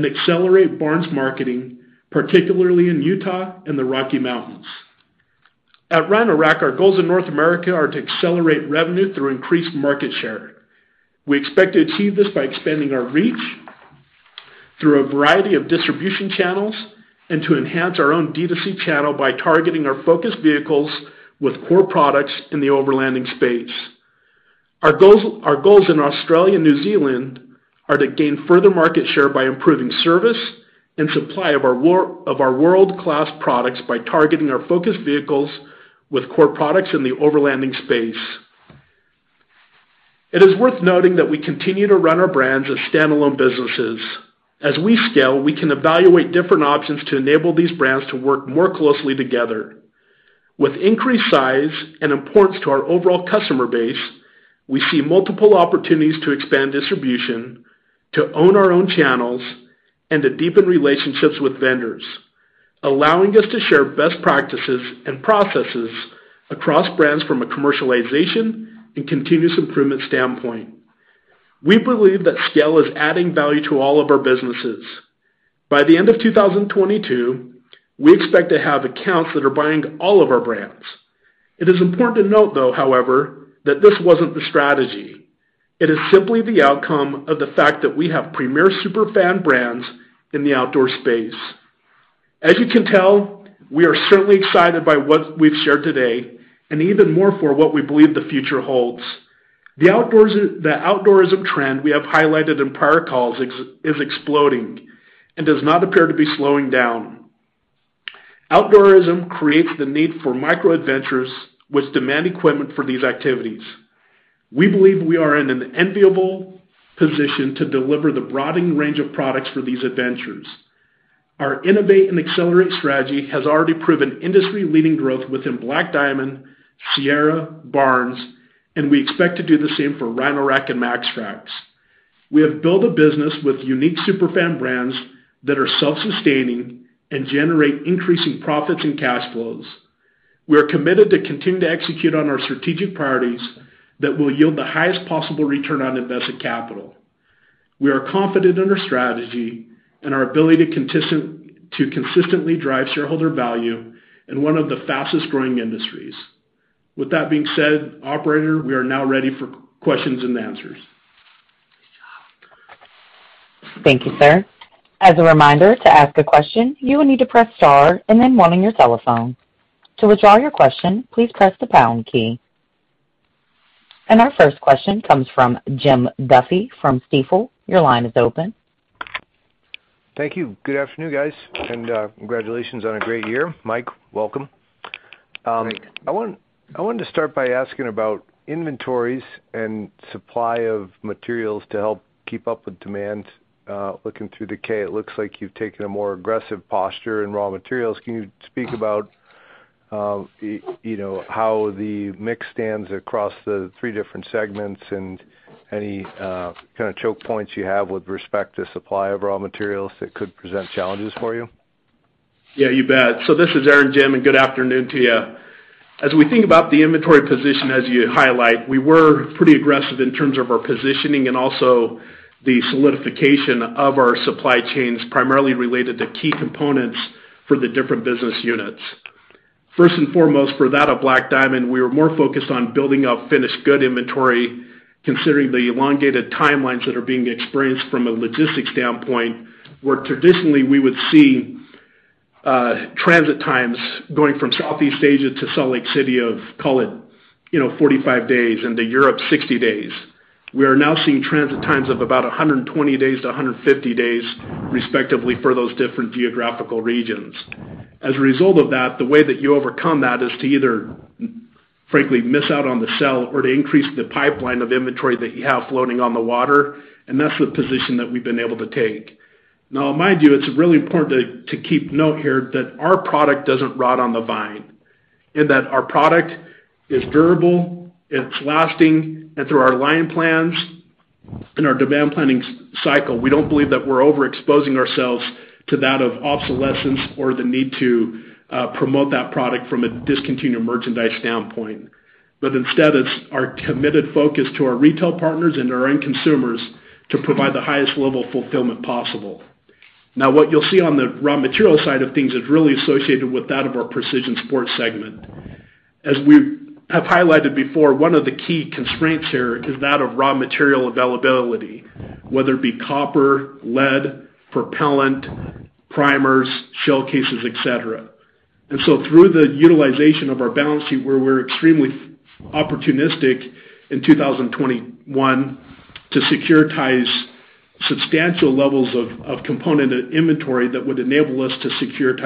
Speaker 5: accelerate Barnes marketing, particularly in Utah and the Rocky Mountains. At Rhino-Rack, our goals in North America are to accelerate revenue through increased market share. We expect to achieve this by expanding our reach through a variety of distribution channels and to enhance our own D2C channel by targeting our focus vehicles with core products in the overlanding space. Our goals in Australia and New Zealand are to gain further market share by improving service and supply of our world-class products by targeting our focus vehicles with core products in the overlanding space. It is worth noting that we continue to run our brands as standalone businesses. As we scale, we can evaluate different options to enable these brands to work more closely together. With increased size and importance to our overall customer base, we see multiple opportunities to expand distribution, to own our own channels, and to deepen relationships with vendors, allowing us to share best practices and processes across brands from a commercialization and continuous improvement standpoint. We believe that scale is adding value to all of our businesses. By the end of 2022, we expect to have accounts that are buying all of our brands. It is important to note, though, however, that this wasn't the strategy. It is simply the outcome of the fact that we have premier super fan brands in the outdoor space. As you can tell, we are certainly excited by what we've shared today and even more for what we believe the future holds. The outdoorism trend we have highlighted in prior calls is exploding and does not appear to be slowing down. Outdoorism creates the need for micro adventures which demand equipment for these activities. We believe we are in an enviable position to deliver the broadening range of products for these adventures. Our innovate and accelerate strategy has already proven industry-leading growth within Black Diamond, Sierra, Barnes, and we expect to do the same for Rhino-Rack and MAXTRAX. We have built a business with unique super fan brands that are self-sustaining and generate increasing profits and cash flows. We are committed to continue to execute on our strategic priorities that will yield the highest possible return on invested capital. We are confident in our strategy and our ability to consistently drive shareholder value in one of the fastest-growing industries. With that being said, operator, we are now ready for questions and answers.
Speaker 1: Thank you, sir. As a reminder, to ask a question, you will need to press star and then one on your telephone. To withdraw your question, please press the pound key. Our first question comes from Jim Duffy from Stifel. Your line is open.
Speaker 6: Thank you. Good afternoon, guys, and, congratulations on a great year. Mike, welcome.
Speaker 5: Great.
Speaker 6: I wanted to start by asking about inventories and supply of materials to help keep up with demand. Looking through the K, it looks like you've taken a more aggressive posture in raw materials. Can you speak about, you know, how the mix stands across the three different segments and any kind of choke points you have with respect to supply of raw materials that could present challenges for you?
Speaker 5: Yeah, you bet. This is Aaron, Jim, and good afternoon to you. As we think about the inventory position, as you highlight, we were pretty aggressive in terms of our positioning and also the solidification of our supply chains, primarily related to key components for the different business units. First and foremost, for that of Black Diamond, we were more focused on building out finished goods inventory, considering the elongated timelines that are being experienced from a logistics standpoint, where traditionally we would see transit times going from Southeast Asia to Salt Lake City of, call it, you know, 45 days, into Europe, 60 days. We are now seeing transit times of about 120 days to 150 days, respectively, for those different geographical regions. As a result of that, the way that you overcome that is to either, frankly, miss out on the sale or to increase the pipeline of inventory that you have floating on the water, and that's the position that we've been able to take. Now, mind you, it's really important to take note here that our product doesn't rot on the vine, and that our product is durable, it's lasting, and through our line plans and our demand planning cycle, we don't believe that we're overexposing ourselves to that of obsolescence or the need to promote that product from a discontinued merchandise standpoint. But instead, it's our committed focus to our retail partners and to our end consumers to provide the highest level of fulfillment possible. Now, what you'll see on the raw material side of things is really associated with that of our Precision Sport segment. As we have highlighted before, one of the key constraints here is that of raw material availability, whether it be copper, lead, propellant, primers, shell cases, et cetera. Through the utilization of our balance sheet, where we're extremely opportunistic in 2021 to secure substantial levels of component inventory that would enable us to secure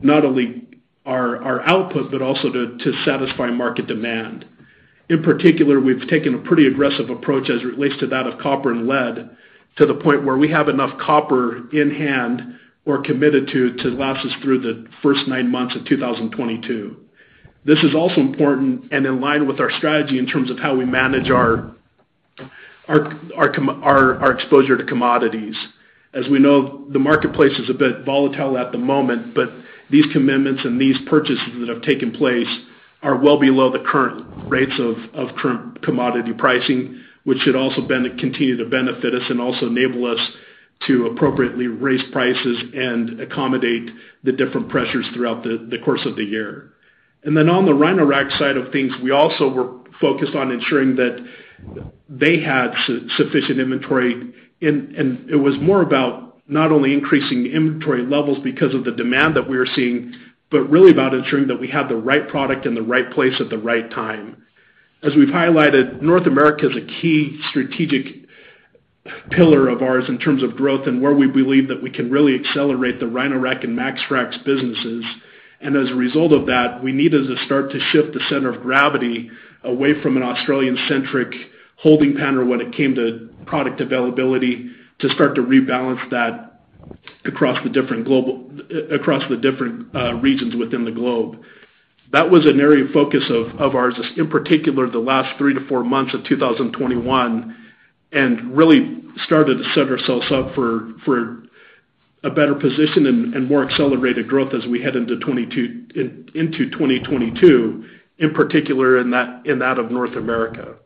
Speaker 5: not only our output, but also to satisfy market demand. In particular, we've taken a pretty aggressive approach as it relates to that of copper and lead to the point where we have enough copper in hand or committed to last us through the first nine months of 2022. This is also important and in line with our strategy in terms of how we manage our exposure to commodities. As we know, the marketplace is a bit volatile at the moment, but these commitments and these purchases that have taken place are well below the current rates of current commodity pricing, which should also continue to benefit us and also enable us to appropriately raise prices and accommodate the different pressures throughout the course of the year. Then on the Rhino-Rack side of things, we also were focused on ensuring that they had sufficient inventory and it was more about not only increasing inventory levels because of the demand that we were seeing, but really about ensuring that we have the right product in the right place at the right time. As we've highlighted, North America is a key strategic pillar of ours in terms of growth and where we believe that we can really accelerate the Rhino-Rack and MAXTRAX businesses. As a result of that, we needed to start to shift the center of gravity away from an Australian-centric holding pattern when it came to product availability to start to rebalance that across the different regions within the globe. That was an area of focus of ours, in particular the last three to four months of 2021, and really started to set ourselves up for a better position and more accelerated growth as we head into 2022, in particular in that of North America.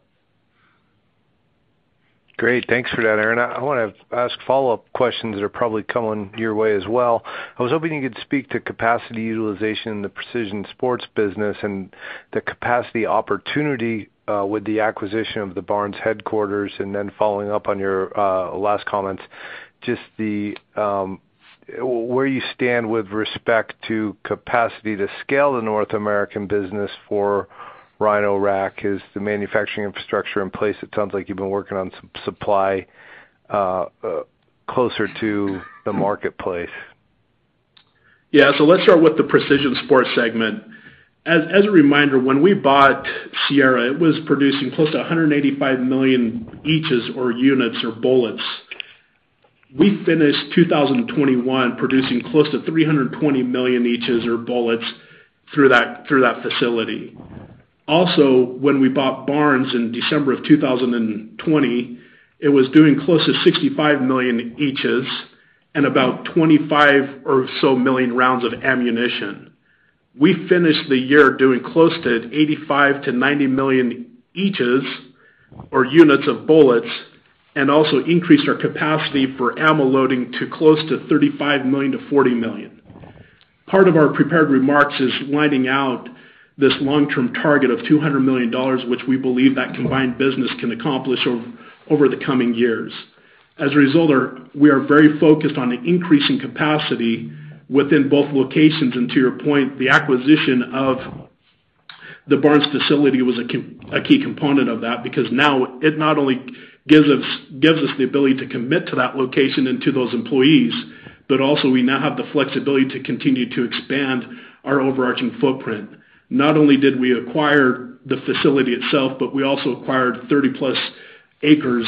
Speaker 6: Great. Thanks for that, Aaron. I wanna ask follow-up questions that are probably coming your way as well. I was hoping you could speak to capacity utilization in the Precision Sport business and the capacity opportunity with the acquisition of the Barnes headquarters, and then following up on your last comments, just where you stand with respect to capacity to scale the North American business for Rhino-Rack. Is the manufacturing infrastructure in place? It sounds like you've been working on some supply closer to the marketplace.
Speaker 5: Yeah. Let's start with the Precision Sport segment. As a reminder, when we bought Sierra, it was producing close to 185 million eaches or units or bullets. We finished 2021 producing close to 320 million eaches or units or bullets through that facility. Also, when we bought Barnes in December of 2020, it was doing close to 65 million eaches and about 25 or so million rounds of ammunition. We finished the year doing close to 85 million-90 million eaches or units of bullets, and also increased our capacity for ammo loading to close to 35 million-40 million. Part of our prepared remarks is laying out this long-term target of $200 million, which we believe that combined business can accomplish over the coming years. As a result, we are very focused on increasing capacity within both locations. To your point, the acquisition of the Barnes facility was a key component of that because now it not only gives us the ability to commit to that location and to those employees, but also we now have the flexibility to continue to expand our overarching footprint. Not only did we acquire the facility itself, but we also acquired 30+ acres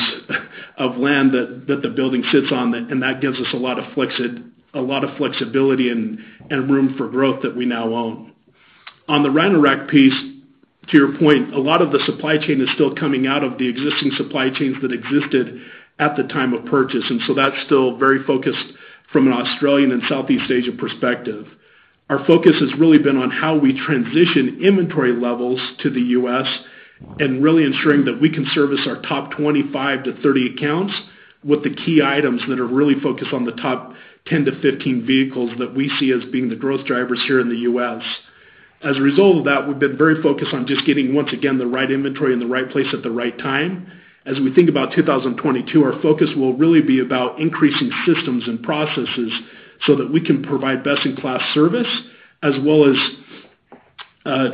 Speaker 5: of land that the building sits on, and that gives us a lot of flexibility and room for growth that we now own. On the Rhino-Rack piece, to your point, a lot of the supply chain is still coming out of the existing supply chains that existed at the time of purchase, and so that's still very focused from an Australian and Southeast Asia perspective. Our focus has really been on how we transition inventory levels to the U.S. and really ensuring that we can service our top 25-30 accounts with the key items that are really focused on the top 10-15 vehicles that we see as being the growth drivers here in the U.S. As a result of that, we've been very focused on just getting, once again, the right inventory in the right place at the right time. As we think about 2022, our focus will really be about increasing systems and processes so that we can provide best-in-class service as well as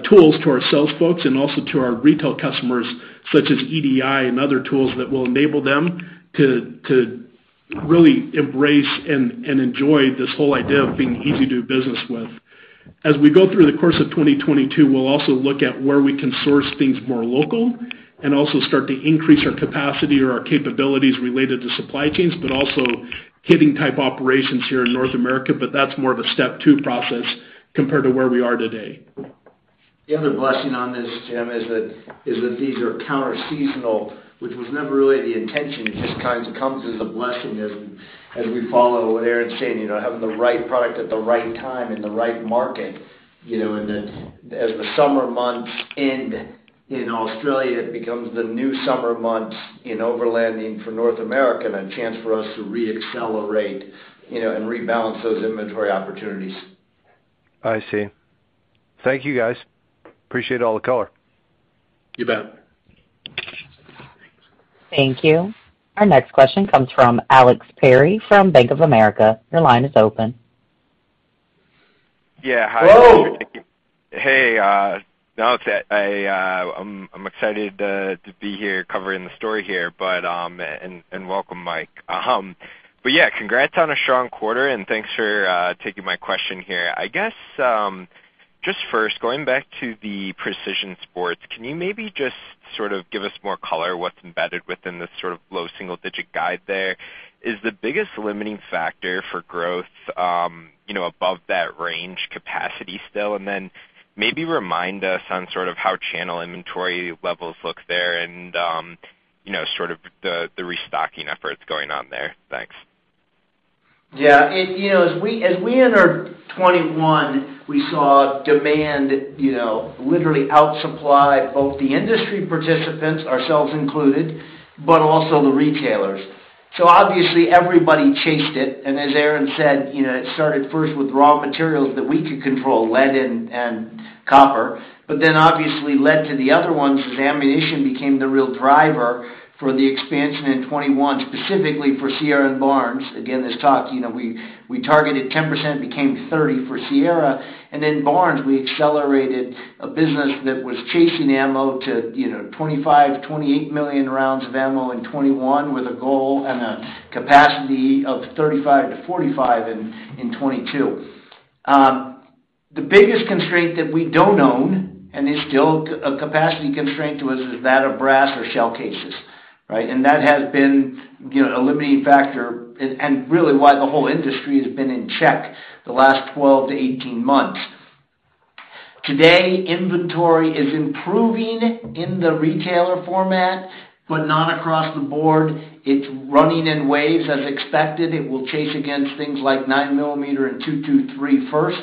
Speaker 5: tools to our sales folks and also to our retail customers such as EDI and other tools that will enable them to really embrace and enjoy this whole idea of being easy to do business with. As we go through the course of 2022, we'll also look at where we can source things more local and also start to increase our capacity or our capabilities related to supply chains, but also kitting type operations here in North America. That's more of a step two process compared to where we are today.
Speaker 3: The other blessing on this, Jim, is that these are counterseasonal, which was never really the intention. It just kind of comes as a blessing as we follow what Aaron's saying, you know, having the right product at the right time in the right market, you know, and then as the summer months end in Australia, it becomes the new summer months in overlanding for North America and a chance for us to re-accelerate, you know, and rebalance those inventory opportunities.
Speaker 6: I see. Thank you, guys. Appreciate all the color.
Speaker 5: You bet.
Speaker 1: Thank you. Our next question comes from Alex Perry from Bank of America. Your line is open.
Speaker 7: Yeah. Hi.
Speaker 3: Hello!
Speaker 7: I'm excited to be here covering the story here, and welcome, Mike. Yeah, congrats on a strong quarter, and thanks for taking my question here. I guess just first, going back to the Precision Sport, can you maybe just sort of give us more color on what's embedded within the sort of low single-digit guide there? Is the biggest limiting factor for growth, you know, above that range capacity still? And then maybe remind us on sort of how channel inventory levels look there and, you know, sort of the restocking efforts going on there. Thanks.
Speaker 3: Yeah, you know, as we entered 2021, we saw demand, you know, literally outstrip supply of both the industry participants, ourselves included, but also the retailers. Obviously everybody chased it, and as Aaron said, you know, it started first with raw materials that we could control, lead and copper. Then obviously led to the other ones as ammunition became the real driver for the expansion in 2021, specifically for Sierra and Barnes. Again, this year, you know, we targeted 10%, became 30% for Sierra. Then Barnes, we accelerated a business that was chasing ammo to, you know, 25-28 million rounds of ammo in 2021 with a goal and a capacity of 35-45 in 2022. The biggest constraint that we don't own and is still a capacity constraint to us is that of brass or shell cases, right? That has been, you know, a limiting factor and really why the whole industry has been in check the last 12-18 months. Today, inventory is improving in the retailer format, but not across the board. It's running in waves as expected. It will chase against things like 9 millimeter and .223 first.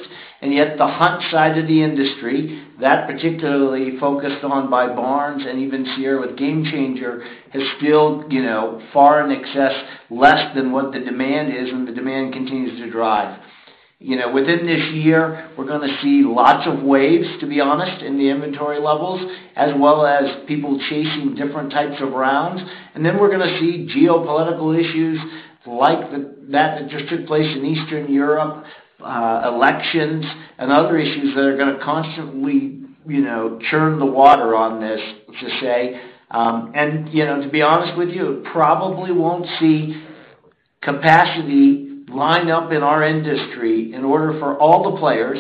Speaker 3: Yet the hunt side of the industry, that particularly focused on by Barnes and even Sierra with GameChanger, is still, you know, far in excess less than what the demand is, and the demand continues to drive. Within this year, we're gonna see lots of waves, to be honest, in the inventory levels, as well as people chasing different types of rounds. Then we're gonna see geopolitical issues like that just took place in Eastern Europe, elections and other issues that are gonna constantly, you know, churn the water on this, to say. To be honest with you, probably won't see capacity line up in our industry in order for all the players,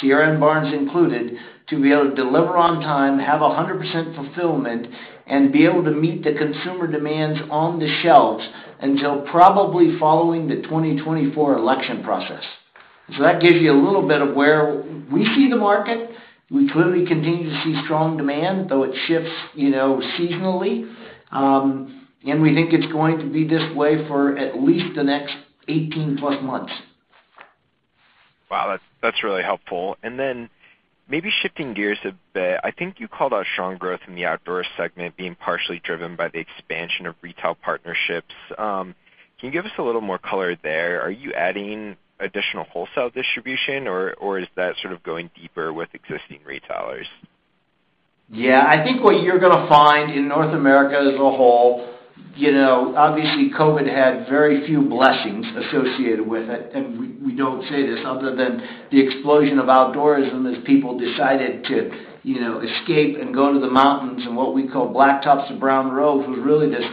Speaker 3: Sierra and Barnes included, to be able to deliver on time, have 100% fulfillment, and be able to meet the consumer demands on the shelves until probably following the 2024 election process. That gives you a little bit of where we see the market. We clearly continue to see strong demand, though it shifts, you know, seasonally. We think it's going to be this way for at least the next 18+ months.
Speaker 7: Wow, that's really helpful. Then maybe shifting gears a bit, I think you called out strong growth in the outdoor segment being partially driven by the expansion of retail partnerships. Can you give us a little more color there? Are you adding additional wholesale distribution or is that sort of going deeper with existing retailers?
Speaker 3: Yeah. I think what you're gonna find in North America as a whole, you know, obviously COVID had very few blessings associated with it, and we don't say this other than the explosion of outdoorsmen as people decided to, you know, escape and go to the mountains and what we call blacktops to brown roads, was really this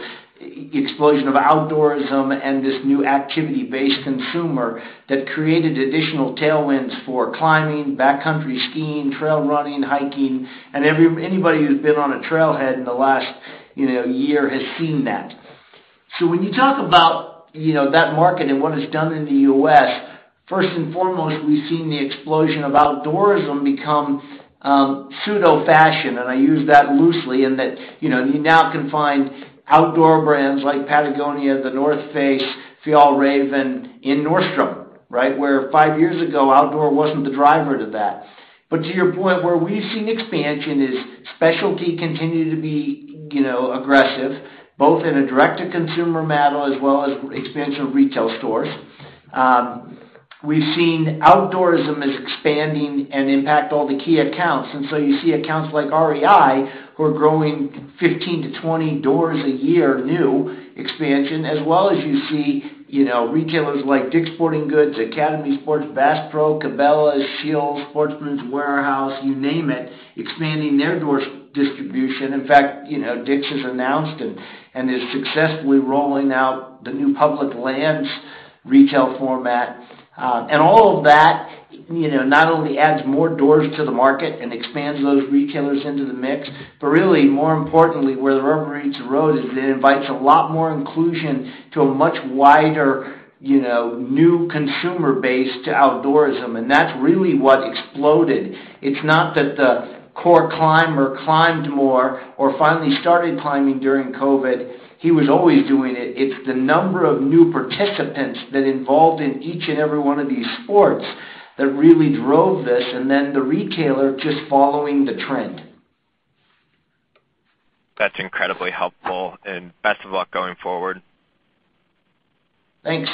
Speaker 3: explosion of outdoorsmen and this new activity-based consumer that created additional tailwinds for climbing, backcountry skiing, trail running, hiking. Anybody who's been on a trailhead in the last, you know, year has seen that. When you talk about, you know, that market and what it's done in the US, first and foremost, we've seen the explosion of outdoorsmen become pseudo-fashion, and I use that loosely in that, you know, you now can find outdoor brands like Patagonia, The North Face, Fjällräven in Nordstrom, right? Where five years ago, outdoor wasn't the driver to that. To your point, where we've seen expansion is specialty continues to be, you know, aggressive, both in a direct-to-consumer model as well as expansion of retail stores. We've seen the outdoor segment is expanding and impacting all the key accounts. You see accounts like REI who are growing 15-20 doors a year new expansion, as well as you see, you know, retailers like DICK'S Sporting Goods, Academy Sports, Bass Pro Shops, Cabela's, SCHEELS, Sportsman's Warehouse, you name it, expanding their doors distribution. In fact, you know, DICK'S has announced and is successfully rolling out the new Public Lands retail format. All of that, you know, not only adds more doors to the market and expands those retailers into the mix, but really more importantly, where the rubber meets the road is it invites a lot more inclusion to a much wider, you know, new consumer base to outdoorsmen, and that's really what exploded. It's not that the core climber climbed more or finally started climbing during COVID. He was always doing it. It's the number of new participants that involved in each and every one of these sports that really drove this, and then the retailer just following the trend.
Speaker 7: That's incredibly helpful, and best of luck going forward.
Speaker 3: Thanks.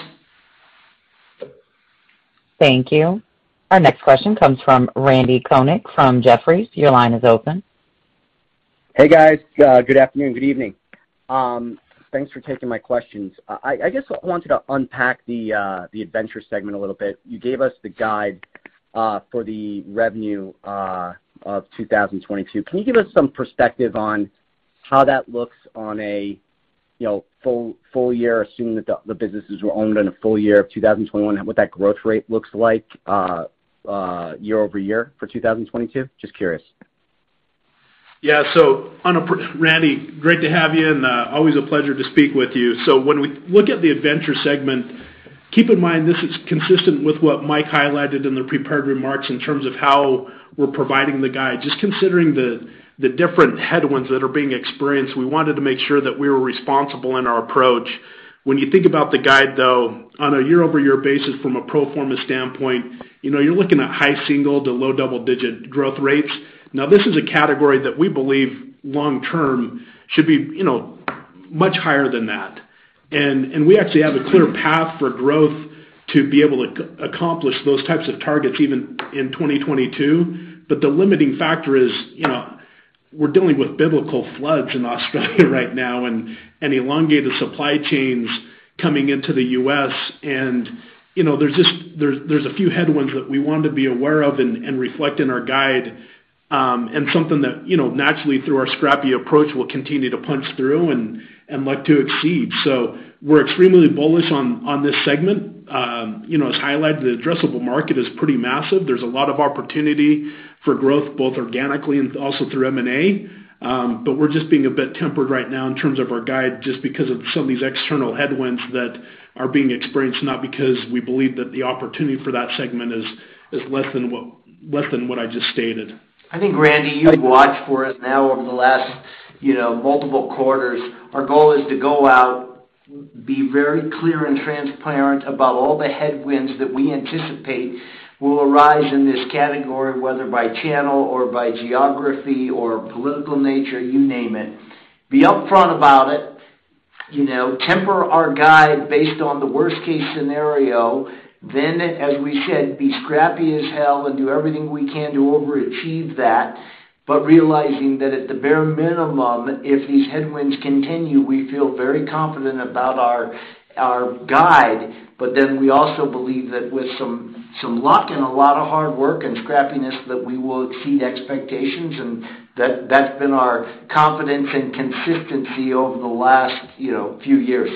Speaker 1: Thank you. Our next question comes from Randy Konik from Jefferies. Your line is open.
Speaker 8: Hey, guys. Good afternoon. Good evening. Thanks for taking my questions. I guess I wanted to unpack the adventure segment a little bit. You gave us the guide for the revenue of 2022. Can you give us some perspective on how that looks on a, you know, full year, assuming that the businesses were owned in a full year of 2021, and what that growth rate looks like year-over-year for 2022? Just curious.
Speaker 5: Randy, great to have you, and always a pleasure to speak with you. When we look at the adventure segment, keep in mind this is consistent with what Mike highlighted in the prepared remarks in terms of how we're providing the guide. Just considering the different headwinds that are being experienced, we wanted to make sure that we were responsible in our approach. When you think about the guide, though, on a year-over-year basis from a pro forma standpoint, you know, you're looking at high single- to low double-digit growth rates. Now, this is a category that we believe long term should be, you know, much higher than that. We actually have a clear path for growth to be able to accomplish those types of targets even in 2022. The limiting factor is, you know, we're dealing with biblical floods in Australia right now and elongated supply chains coming into the U.S. You know, there's just a few headwinds that we want to be aware of and reflect in our guide, and something that, you know, naturally through our scrappy approach, we'll continue to punch through and look to exceed. We're extremely bullish on this segment. You know, as highlighted, the addressable market is pretty massive. There's a lot of opportunity for growth, both organically and also through M&A. We're just being a bit tempered right now in terms of our guide, just because of some of these external headwinds that are being experienced, not because we believe that the opportunity for that segment is less than what I just stated.
Speaker 3: I think, Randy, you've watched for us now over the last, you know, multiple quarters. Our goal is to go out, be very clear and transparent about all the headwinds that we anticipate will arise in this category, whether by channel or by geography or political nature, you name it. Be upfront about it, you know, temper our guide based on the worst case scenario. As we said, be scrappy as hell and do everything we can to overachieve that. Realizing that at the bare minimum, if these headwinds continue, we feel very confident about our guide. We also believe that with some luck and a lot of hard work and scrappiness, that we will exceed expectations, and that's been our confidence and consistency over the last, you know, few years.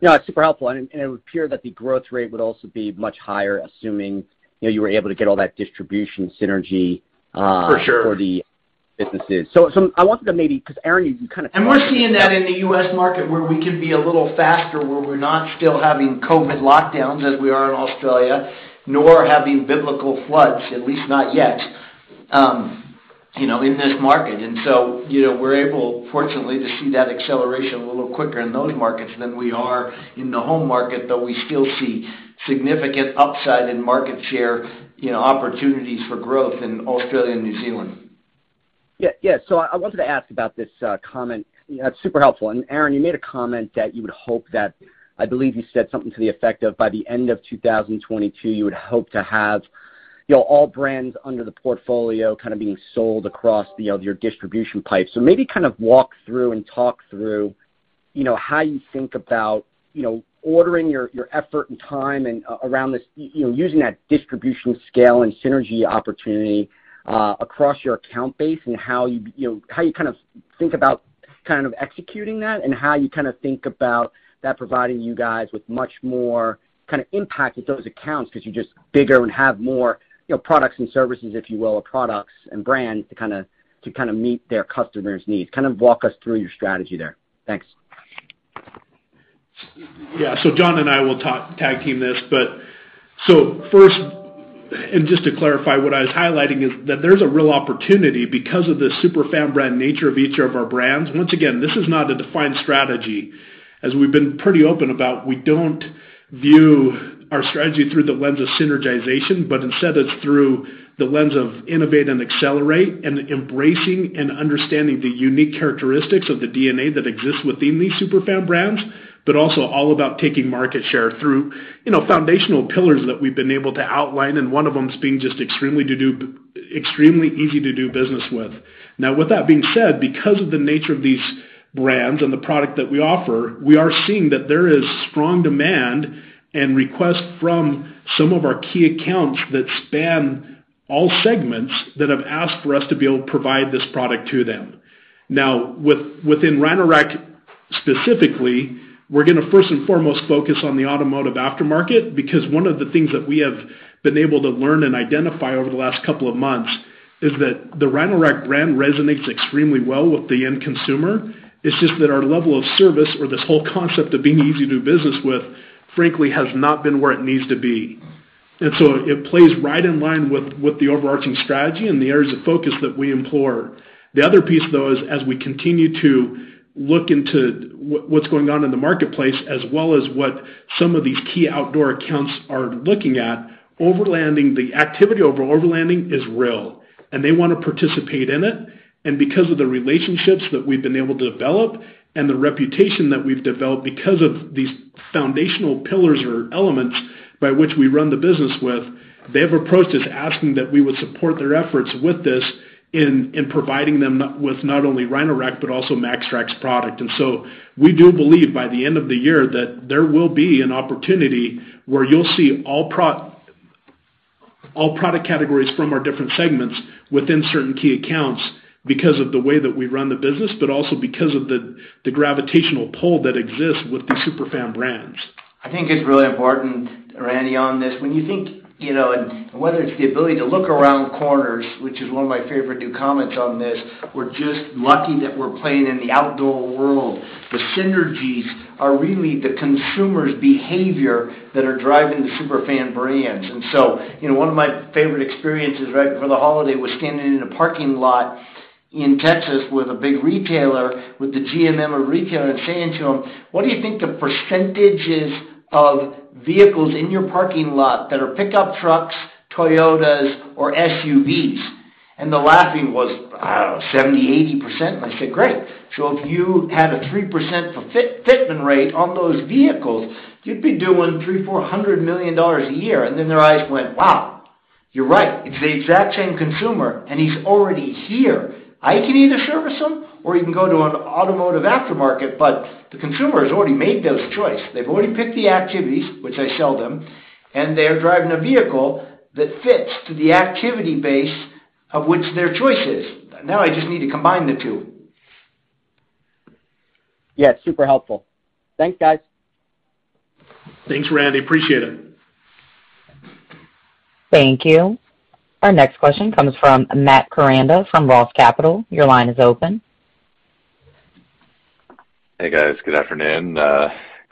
Speaker 8: Yeah, it's super helpful. It would appear that the growth rate would also be much higher, assuming, you know, you were able to get all that distribution synergy.
Speaker 3: For sure.
Speaker 8: for the businesses. I wanted to, 'cause Aaron, you kinda-
Speaker 3: We're seeing that in the U.S. market where we can be a little faster, where we're not still having COVID lockdowns as we are in Australia, nor having biblical floods, at least not yet, you know, in this market. You know, we're able, fortunately, to see that acceleration a little quicker in those markets than we are in the home market, though we still see significant upside in market share, you know, opportunities for growth in Australia and New Zealand.
Speaker 8: Yeah. Yeah. I wanted to ask about this comment. That's super helpful. Aaron, you made a comment that you would hope that, I believe you said something to the effect of, by the end of 2022, you would hope to have, you know, all brands under the portfolio kind of being sold across the, you know, your distribution pipes. Maybe kind of walk through and talk through, you know, how you think about, you know, ordering your effort and time and around this, you know, using that distribution scale and synergy opportunity across your account base and how you know, how you kind of think about kind of executing that and how you kinda think about that providing you guys with much more kinda impact with those accounts because you're just bigger and have more, you know, products and services, if you will, or products and brands to kinda meet their customers' needs. Kind of walk us through your strategy there. Thanks.
Speaker 5: John and I will tag team this. First, just to clarify, what I was highlighting is that there's a real opportunity because of the super fan brand nature of each of our brands. Once again, this is not a defined strategy. As we've been pretty open about, we don't view our strategy through the lens of synergization, but instead it's through the lens of innovate and accelerate and embracing and understanding the unique characteristics of the DNA that exists within these super fan brands, but also all about taking market share through, you know, foundational pillars that we've been able to outline, and one of them is being just extremely easy to do business with. Now, with that being said, because of the nature of these brands and the product that we offer, we are seeing that there is strong demand and request from some of our key accounts that span all segments that have asked for us to be able to provide this product to them. Now, within Rhino-Rack specifically, we're gonna first and foremost focus on the automotive aftermarket because one of the things that we have been able to learn and identify over the last couple of months is that the Rhino-Rack brand resonates extremely well with the end consumer. It's just that our level of service or this whole concept of being easy to do business with, frankly, has not been where it needs to be. It plays right in line with the overarching strategy and the areas of focus that we employ. The other piece, though, is as we continue to look into what's going on in the marketplace as well as what some of these key outdoor accounts are looking at, overlanding, the activity overlanding is real, and they wanna participate in it. Because of the relationships that we've been able to develop and the reputation that we've developed because of these foundational pillars or elements by which we run the business with, they have approached us asking that we would support their efforts with this in providing them not only with Rhino-Rack, but also MAXTRAX product. We do believe by the end of the year that there will be an opportunity where you'll see all product categories from our different segments within certain key accounts because of the way that we run the business, but also because of the gravitational pull that exists with these super fan brands.
Speaker 3: I think it's really important, Randy, on this. When you think, you know, and whether it's the ability to look around corners, which is one of my favorite new comments on this, we're just lucky that we're playing in the outdoor world. The synergies are really the consumer's behavior that are driving the super fan brands. You know, one of my favorite experiences right before the holiday was standing in a parking lot in Texas with a big retailer, with the GMM of the retailer and saying to him, "What do you think the percentages of vehicles in your parking lot that are pickup trucks, Toyotas, or SUVs?" He laughed, "I don't know, 70%-80%." I said, "Great. If you had a 3% fitment rate on those vehicles, you'd be doing $300 milion-$400 million a year. Then their eyes went, "Wow, you're right." It's the exact same consumer, and he's already here. I can either service him or he can go to an automotive aftermarket, but the consumer has already made those choices. They've already picked the activities, which I sell them, and they're driving a vehicle that fits to the activity base of which their choice is. Now I just need to combine the two.
Speaker 8: Yeah, super helpful. Thanks, guys.
Speaker 5: Thanks, Randy. Appreciate it.
Speaker 1: Thank you. Our next question comes from Matt Koranda from ROTH Capital. Your line is open.
Speaker 9: Hey, guys. Good afternoon.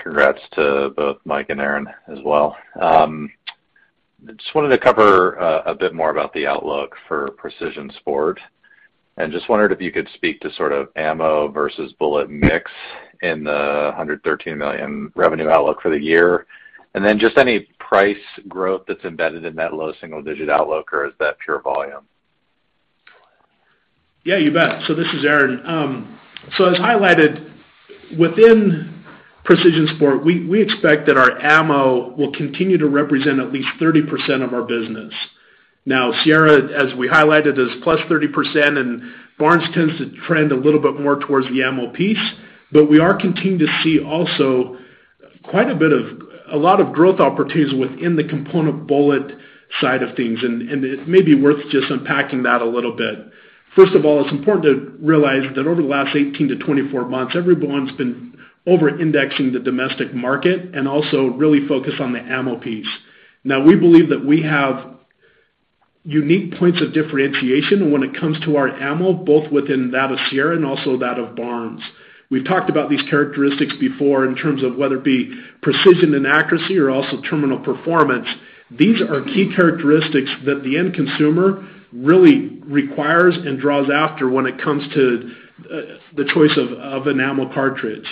Speaker 9: Congrats to both Mike and Aaron as well. Just wanted to cover a bit more about the outlook for Precision Sport, and just wondered if you could speak to sort of ammo versus bullet mix in the $113 million revenue outlook for the year. Then just any price growth that's embedded in that low single-digit outlook, or is that pure volume?
Speaker 5: Yeah, you bet. This is Aaron. As highlighted, within Precision Sport, we expect that our ammo will continue to represent at least 30% of our business. Now, Sierra, as we highlighted, is +30%, and Barnes tends to trend a little bit more towards the ammo piece. We are continuing to see also a lot of growth opportunities within the component bullet side of things, and it may be worth just unpacking that a little bit. First of all, it's important to realize that over the last 18-24 months, everyone's been over-indexing the domestic market and also really focused on the ammo piece. Now, we believe that we have unique points of differentiation when it comes to our ammo, both within that of Sierra and also that of Barnes. We've talked about these characteristics before in terms of whether it be precision and accuracy or also terminal performance. These are key characteristics that the end consumer really requires and cares about when it comes to the choice of an ammo cartridge.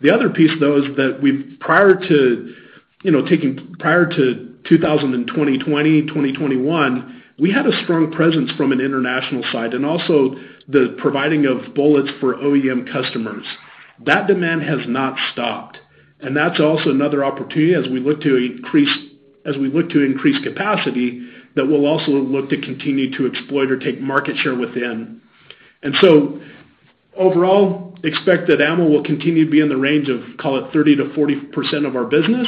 Speaker 5: The other piece, though, is that prior to 2020-2021, we had a strong presence from an international side and also the providing of bullets for OEM customers. That demand has not stopped, and that's also another opportunity as we look to increase capacity, that we'll also look to continue to exploit or take market share within. Overall, expect that ammo will continue to be in the range of, call it, 30%-40% of our business,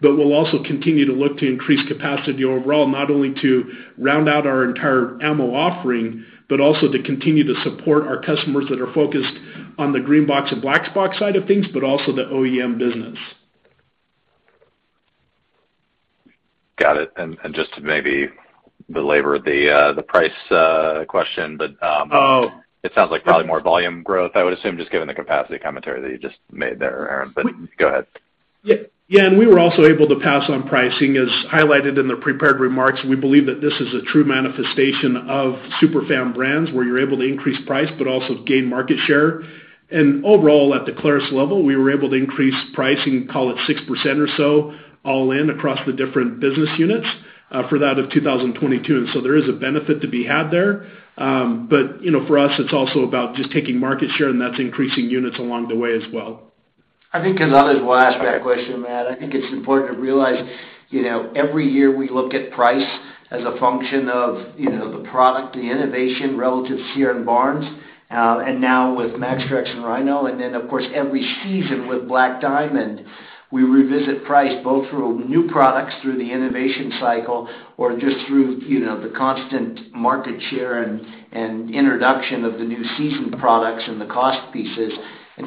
Speaker 5: but we'll also continue to look to increase capacity overall, not only to round out our entire ammo offering, but also to continue to support our customers that are focused on the green box and Black Box side of things, but also the OEM business.
Speaker 9: Got it. Just to maybe belabor the price question, but.
Speaker 5: Oh.
Speaker 9: It sounds like probably more volume growth, I would assume, just given the capacity commentary that you just made there, Aaron. Go ahead.
Speaker 5: Yeah. Yeah, we were also able to pass on pricing. As highlighted in the prepared remarks, we believe that this is a true manifestation of super fan brands, where you're able to increase price but also gain market share. Overall, at the Clarus level, we were able to increase pricing, call it 6% or so, all in across the different business units for 2022. There is a benefit to be had there. You know, for us, it's also about just taking market share, and that's increasing units along the way as well.
Speaker 3: I think 'cause others will ask that question, Matt. I think it's important to realize, you know, every year we look at price as a function of, you know, the product, the innovation relative to Sierra and Barnes, and now with MAXTRAX and Rhino-Rack, and then, of course, every season with Black Diamond, we revisit price both through new products, through the innovation cycle, or just through, you know, the constant market share and introduction of the new season products and the cost pieces.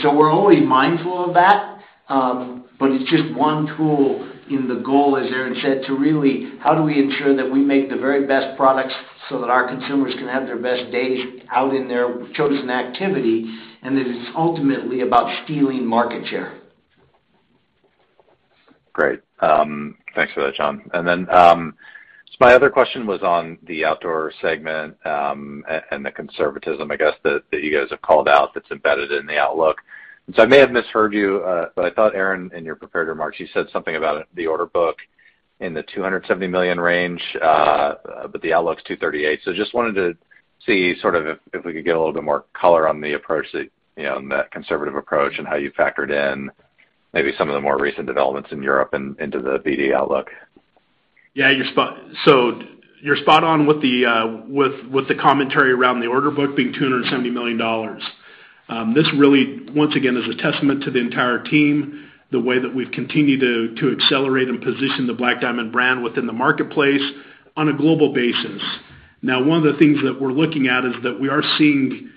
Speaker 3: We're always mindful of that, but it's just one tool in the goal, as Aaron said, to really how do we ensure that we make the very best products so that our consumers can have their best days out in their chosen activity, and that it's ultimately about stealing market share.
Speaker 9: Great. Thanks for that, John. Then my other question was on the outdoor segment and the conservatism, I guess, that you guys have called out that's embedded in the outlook. I may have misheard you, but I thought, Aaron, in your prepared remarks, you said something about the order book in the $270 million range, but the outlook's $238 million. Just wanted to see sort of if we could get a little bit more color on the approach that, you know, on that conservative approach and how you factored in maybe some of the more recent developments in Europe into the BD outlook.
Speaker 5: You're spot on with the commentary around the order book being $270 million. This really, once again, is a testament to the entire team, the way that we've continued to accelerate and position the Black Diamond brand within the marketplace on a global basis. Now, one of the things that we're looking at is that we are seeing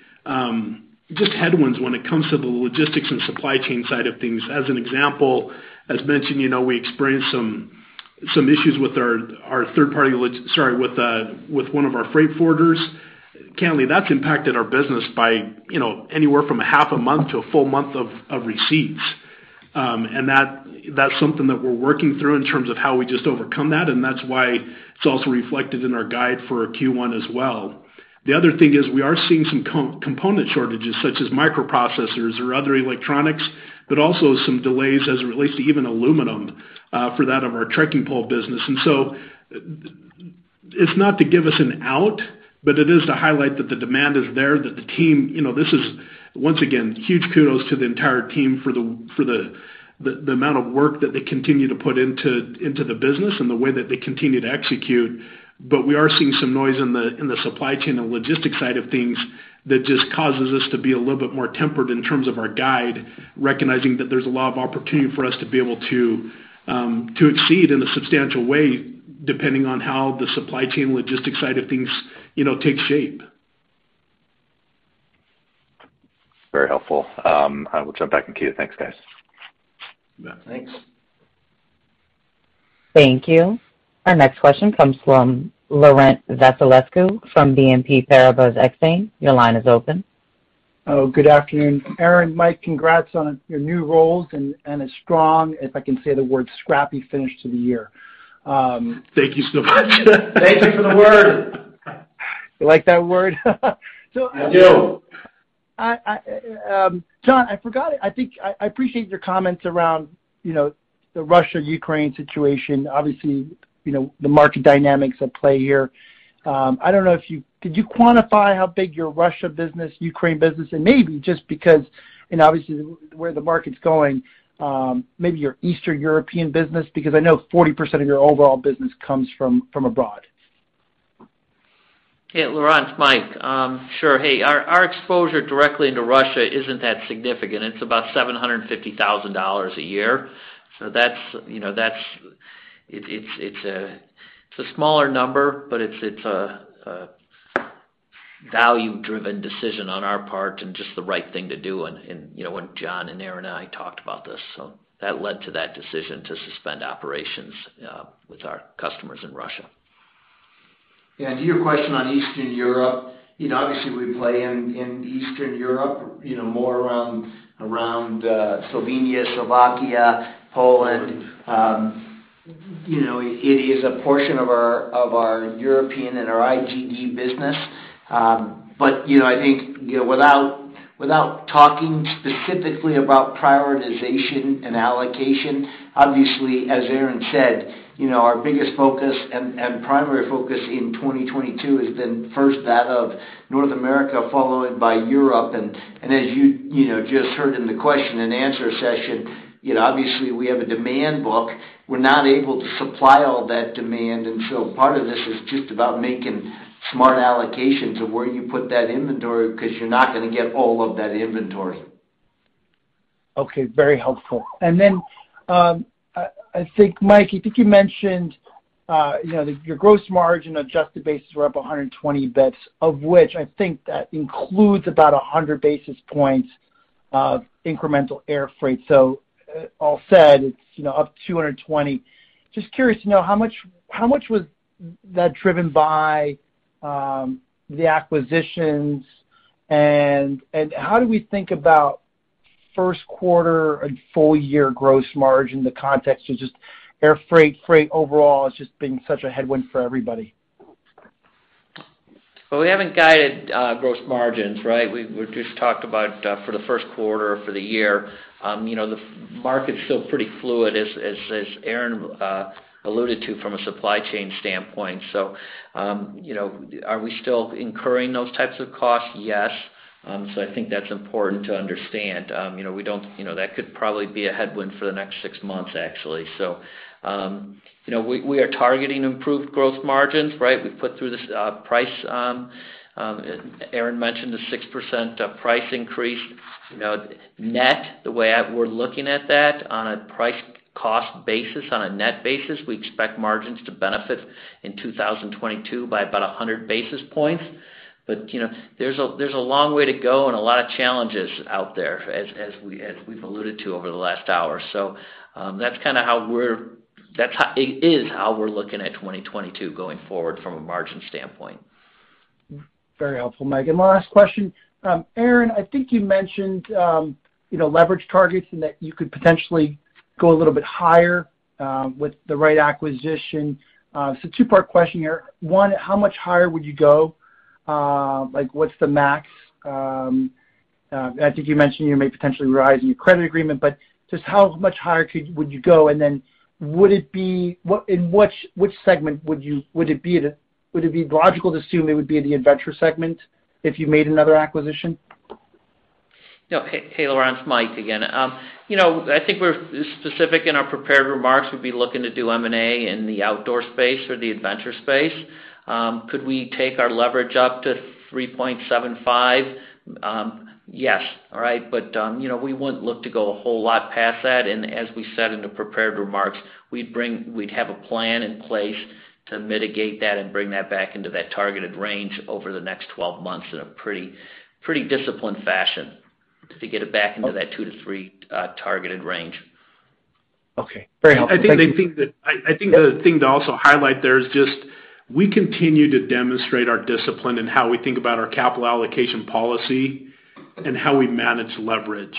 Speaker 5: just headwinds when it comes to the logistics and supply chain side of things. As an example, as mentioned, you know, we experienced some issues with our third party with one of our freight forwarders. Candidly, that's impacted our business by, you know, anywhere from a half a month to a full month of receipts. That, that's something that we're working through in terms of how we just overcome that, and that's why it's also reflected in our guide for Q1 as well. The other thing is we are seeing some component shortages, such as microprocessors or other electronics, but also some delays as it relates to even aluminum for that of our trekking pole business. It's not to give us an out, but it is to highlight that the demand is there, that the team. You know, this is, once again, huge kudos to the entire team for the amount of work that they continue to put into the business and the way that they continue to execute. We are seeing some noise in the supply chain and logistics side of things that just causes us to be a little bit more tempered in terms of our guide, recognizing that there's a lot of opportunity for us to be able to exceed in a substantial way, depending on how the supply chain logistics side of things, you know, take shape.
Speaker 9: Very helpful. I will jump back in queue. Thanks, guys.
Speaker 5: You bet. Thanks.
Speaker 1: Thank you. Our next question comes from Laurent Vasilescu from BNP Paribas Exane. Your line is open.
Speaker 10: Oh, good afternoon. Aaron, Mike, congrats on your new roles and a strong, if I can say the word, scrappy finish to the year.
Speaker 5: Thank you so much.
Speaker 4: Thank you for the word.
Speaker 10: You like that word?
Speaker 4: I do.
Speaker 10: John, I appreciate your comments around, you know, the Russia-Ukraine situation. Obviously, you know, the market dynamics at play here. I don't know if you could quantify how big your Russia business, Ukraine business, and maybe just because and obviously where the market's going, maybe your Eastern European business, because I know 40% of your overall business comes from abroad.
Speaker 4: Hey, Laurent, it's Mike. Sure. Hey, our exposure directly into Russia isn't that significant. It's about $750,000 a year. That's, you know, it's a value-driven decision on our part and just the right thing to do. You know, when John and Aaron and I talked about this, so that led to that decision to suspend operations with our customers in Russia.
Speaker 5: To your question on Eastern Europe, you know, obviously, we play in Eastern Europe, you know, more around Slovenia, Slovakia, Poland. It is a portion of our European and our IGD business. But, you know, I think, you know, without talking specifically about prioritization and allocation, obviously, as Aaron said, you know, our biggest focus and primary focus in 2022 has been first that of North America, followed by Europe. As you know, just heard in the question and answer session, you know, obviously we have a demand book. We're not able to supply all that demand, and so part of this is just about making smart allocations of where you put that inventory because you're not gonna get all of that inventory.
Speaker 10: Okay, very helpful. I think, Mike, I think you mentioned, you know, your gross margin adjusted basis were up 120 basis points, of which I think that includes about 100 basis points of incremental air freight. So all said, it's, you know, up 220. Just curious to know how much was that driven by the acquisitions and how do we think about first quarter and full year gross margin. The context is just air freight overall has just been such a headwind for everybody.
Speaker 4: Well, we haven't guided gross margins, right? We've just talked about for the first quarter, for the year. You know, the market's still pretty fluid, as Aaron alluded to from a supply chain standpoint. You know, are we still incurring those types of costs? Yes. I think that's important to understand. You know, that could probably be a headwind for the next six months, actually. You know, we are targeting improved gross margins, right? We put through this price. Aaron mentioned the 6% price increase. You know, net, the way we're looking at that on a price-cost basis, on a net basis, we expect margins to benefit in 2022 by about 100 basis points. You know, there's a long way to go and a lot of challenges out there, as we've alluded to over the last hour. That's kinda how we're looking at 2022 going forward from a margin standpoint.
Speaker 10: Very helpful, Mike. Last question. Aaron, I think you mentioned, you know, leverage targets and that you could potentially go a little bit higher with the right acquisition. So two-part question here. One, how much higher would you go? Like, what's the max? I think you mentioned you may potentially rise in your credit agreement, but just how much higher would you go? Then, in which segment would it be logical to assume it would be in the adventure segment if you made another acquisition?
Speaker 4: No. Hey, hey, Laurent, it's Mike again. You know, I think we're specific in our prepared remarks. We'd be looking to do M&A in the outdoor space or the adventure space. Could we take our leverage up to 3.75? Yes. All right. You know, we wouldn't look to go a whole lot past that. As we said in the prepared remarks, we'd have a plan in place to mitigate that and bring that back into that targeted range over the next 12 months in a pretty disciplined fashion to get it back into that 2-3 targeted range.
Speaker 10: Okay. Very helpful. Thank you.
Speaker 5: I think the thing to also highlight there is just we continue to demonstrate our discipline in how we think about our capital allocation policy and how we manage leverage.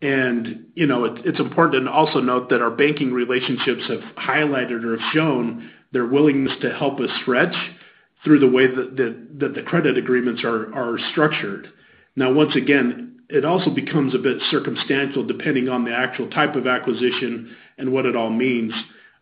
Speaker 5: You know, it's important to also note that our banking relationships have highlighted or have shown their willingness to help us stretch through the way that the credit agreements are structured. Now, once again, it also becomes a bit circumstantial depending on the actual type of acquisition and what it all means.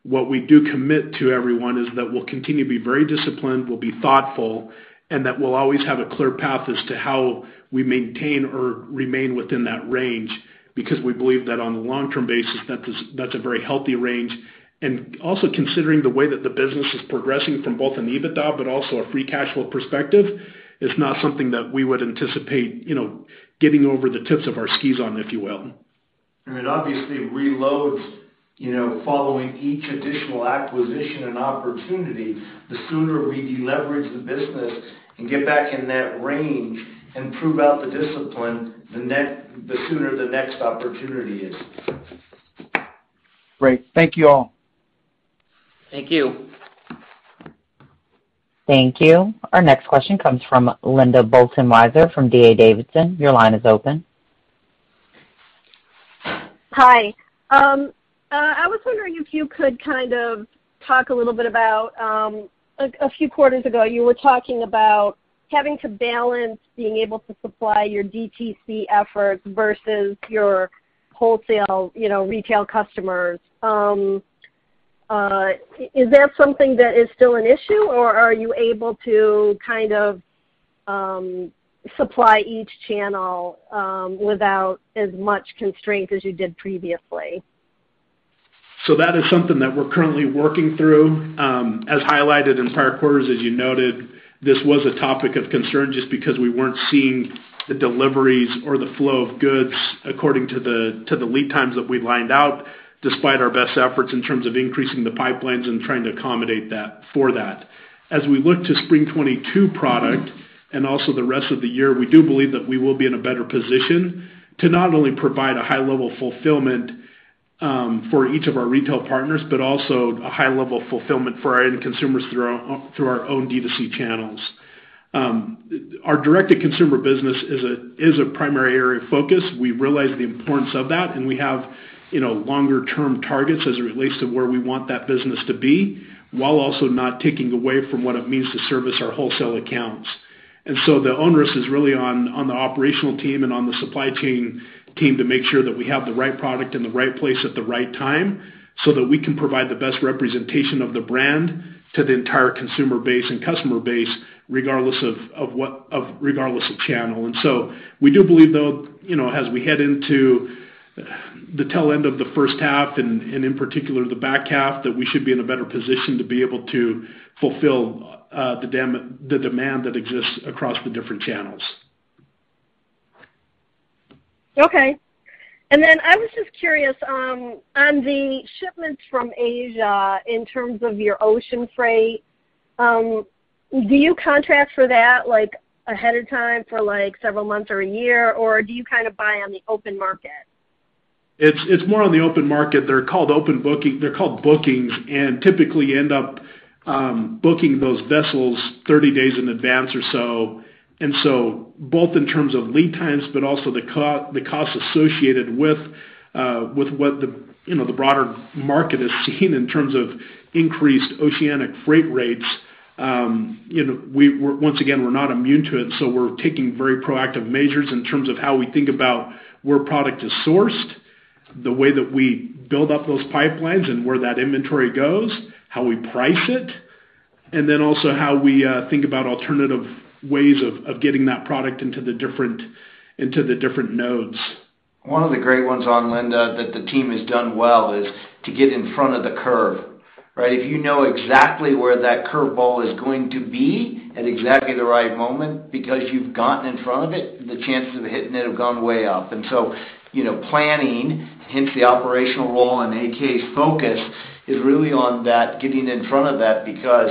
Speaker 5: What we do commit to everyone is that we'll continue to be very disciplined, we'll be thoughtful, and that we'll always have a clear path as to how we maintain or remain within that range, because we believe that on a long-term basis that's a very healthy range. Also considering the way that the business is progressing from both an EBITDA but also a free cash flow perspective, it's not something that we would anticipate, you know, getting over the tips of our skis on, if you will.
Speaker 3: It obviously reloads, you know, following each additional acquisition and opportunity. The sooner we deleverage the business and get back in that range and prove out the discipline, the sooner the next opportunity is.
Speaker 10: Great. Thank you all.
Speaker 3: Thank you.
Speaker 1: Thank you. Our next question comes from Linda Bolton Weiser from D.A. Davidson. Your line is open.
Speaker 11: Hi. I was wondering if you could kind of talk a little bit about a few quarters ago, you were talking about having to balance being able to supply your DTC efforts versus your wholesale, you know, retail customers. Is that something that is still an issue, or are you able to kind of supply each channel without as much constraint as you did previously?
Speaker 5: That is something that we're currently working through. As highlighted in prior quarters, as you noted, this was a topic of concern just because we weren't seeing the deliveries or the flow of goods according to the lead times that we'd lined out, despite our best efforts in terms of increasing the pipelines and trying to accommodate that for that. As we look to spring 2022 product and also the rest of the year, we do believe that we will be in a better position to not only provide a high level of fulfillment for each of our retail partners, but also a high level of fulfillment for our end consumers through our own D2C channels. Our direct-to-consumer business is a primary area of focus. We realize the importance of that, and we have, you know, longer-term targets as it relates to where we want that business to be, while also not taking away from what it means to service our wholesale accounts. The onus is really on the operational team and on the supply chain team to make sure that we have the right product in the right place at the right time, so that we can provide the best representation of the brand to the entire consumer base and customer base, regardless of channel. We do believe, though, you know, as we head into the tail end of the first half and in particular the back half, that we should be in a better position to be able to fulfill the demand that exists across the different channels.
Speaker 11: Okay. I was just curious, on the shipments from Asia in terms of your ocean freight, do you contract for that, like, ahead of time for, like, several months or a year, or do you kind of buy on the open market?
Speaker 5: It's more on the open market. They're called open booking. They're called bookings and typically end up booking those vessels 30 days in advance or so. Both in terms of lead times, but also the costs associated with what the, you know, the broader market is seeing in terms of increased oceanic freight rates, you know, once again, we're not immune to it, so we're taking very proactive measures in terms of how we think about where product is sourced, the way that we build up those pipelines and where that inventory goes, how we price it, and then also how we think about alternative ways of getting that product into the different nodes.
Speaker 3: One of the great ones, Linda, that the team has done well is to get in front of the curve, right? If you know exactly where that curve ball is going to be at exactly the right moment because you've gotten in front of it, the chances of hitting it have gone way up. You know, planning, hence the operational role and AK's focus is really on that, getting in front of that because,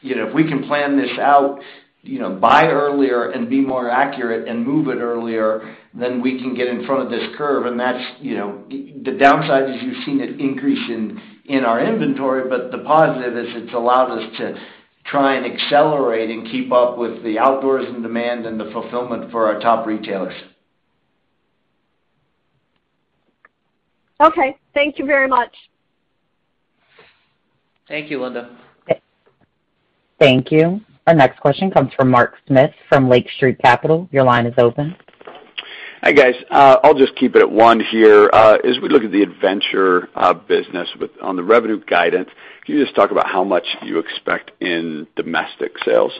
Speaker 3: you know, if we can plan this out, you know, buy earlier and be more accurate and move it earlier, then we can get in front of this curve, and that's, you know. The downside is you've seen it increase in our inventory, but the positive is it's allowed us to try and accelerate and keep up with the outdoor demand and the fulfillment for our top retailers.
Speaker 11: Okay. Thank you very much.
Speaker 3: Thank you, Linda.
Speaker 1: Thank you. Our next question comes from Mark Smith from Lake Street Capital. Your line is open.
Speaker 12: Hi, guys. I'll just keep it at one here. As we look at the adventure business on the revenue guidance, can you just talk about how much you expect in domestic sales?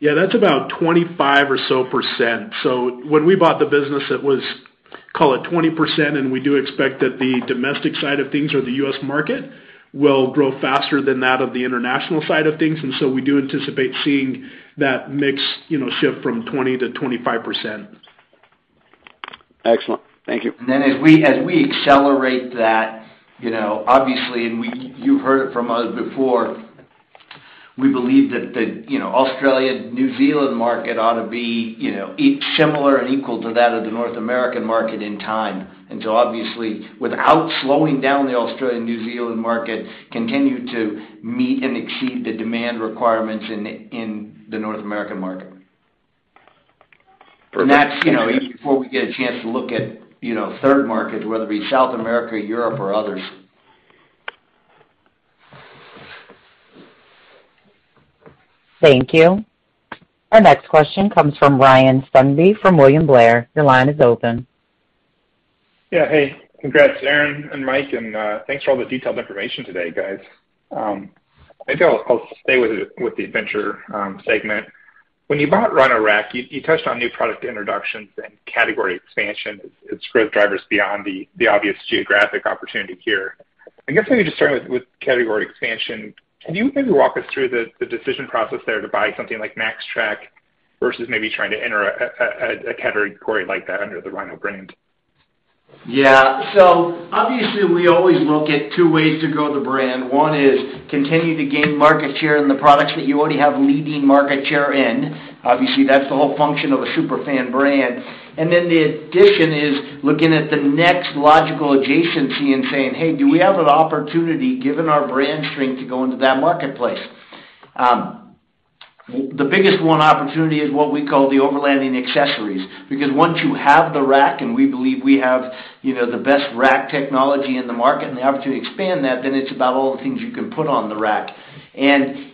Speaker 5: Yeah, that's about 25% or so. When we bought the business, call it 20%, and we do expect that the domestic side of things or the U.S. market will grow faster than that of the international side of things. We do anticipate seeing that mix, you know, shift from 20%-25%.
Speaker 12: Excellent. Thank you.
Speaker 3: As we accelerate that, you know, obviously, you've heard it from us before, we believe that, you know, the Australia-New Zealand market ought to be, you know, similar and equal to that of the North American market in time. Obviously, without slowing down the Australia-New Zealand market, continue to meet and exceed the demand requirements in the North American market.
Speaker 12: Perfect.
Speaker 3: That's, you know, even before we get a chance to look at, you know, third markets, whether it be South America, Europe or others.
Speaker 1: Thank you. Our next question comes from Ryan Sundby from William Blair. Your line is open.
Speaker 13: Hey. Congrats, Aaron and Mike, and thanks for all the detailed information today, guys. Maybe I'll stay with the adventure segment. When you bought Rhino-Rack, you touched on new product introductions and category expansion as growth drivers beyond the obvious geographic opportunity here. I guess maybe just starting with category expansion, can you maybe walk us through the decision process there to buy something like MAXTRAX versus maybe trying to enter a category like that under the Rhino brand?
Speaker 3: Yeah. Obviously, we always look at two ways to grow the brand. One is continue to gain market share in the products that you already have leading market share in. Obviously, that's the whole function of a super fan brand. Then the addition is looking at the next logical adjacency and saying, "Hey, do we have an opportunity, given our brand strength, to go into that marketplace?" The biggest one opportunity is what we call the overlanding accessories, because once you have the rack, and we believe we have, you know, the best rack technology in the market and the opportunity to expand that, then it's about all the things you can put on the rack.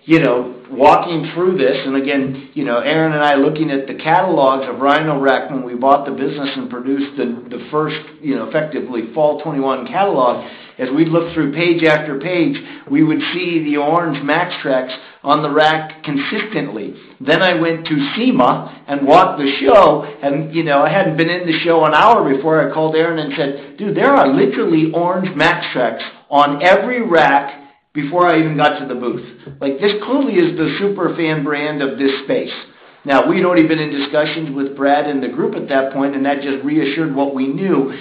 Speaker 3: You know, walking through this, and again, you know, Aaron and I looking at the catalogs of Rhino-Rack when we bought the business and produced the first, you know, effectively fall 2021 catalog, as we'd look through page after page, we would see the orange MAXTRAX on the rack consistently. Then I went to SEMA and walked the show and, you know, I hadn't been in the show an hour before I called Aaron and said, "Dude, there are literally orange MAXTRAX on every rack before I even got to the booth." Like, this clearly is the super fan brand of this space. Now, we'd already been in discussions with Brad and the group at that point, and that just reassured what we knew.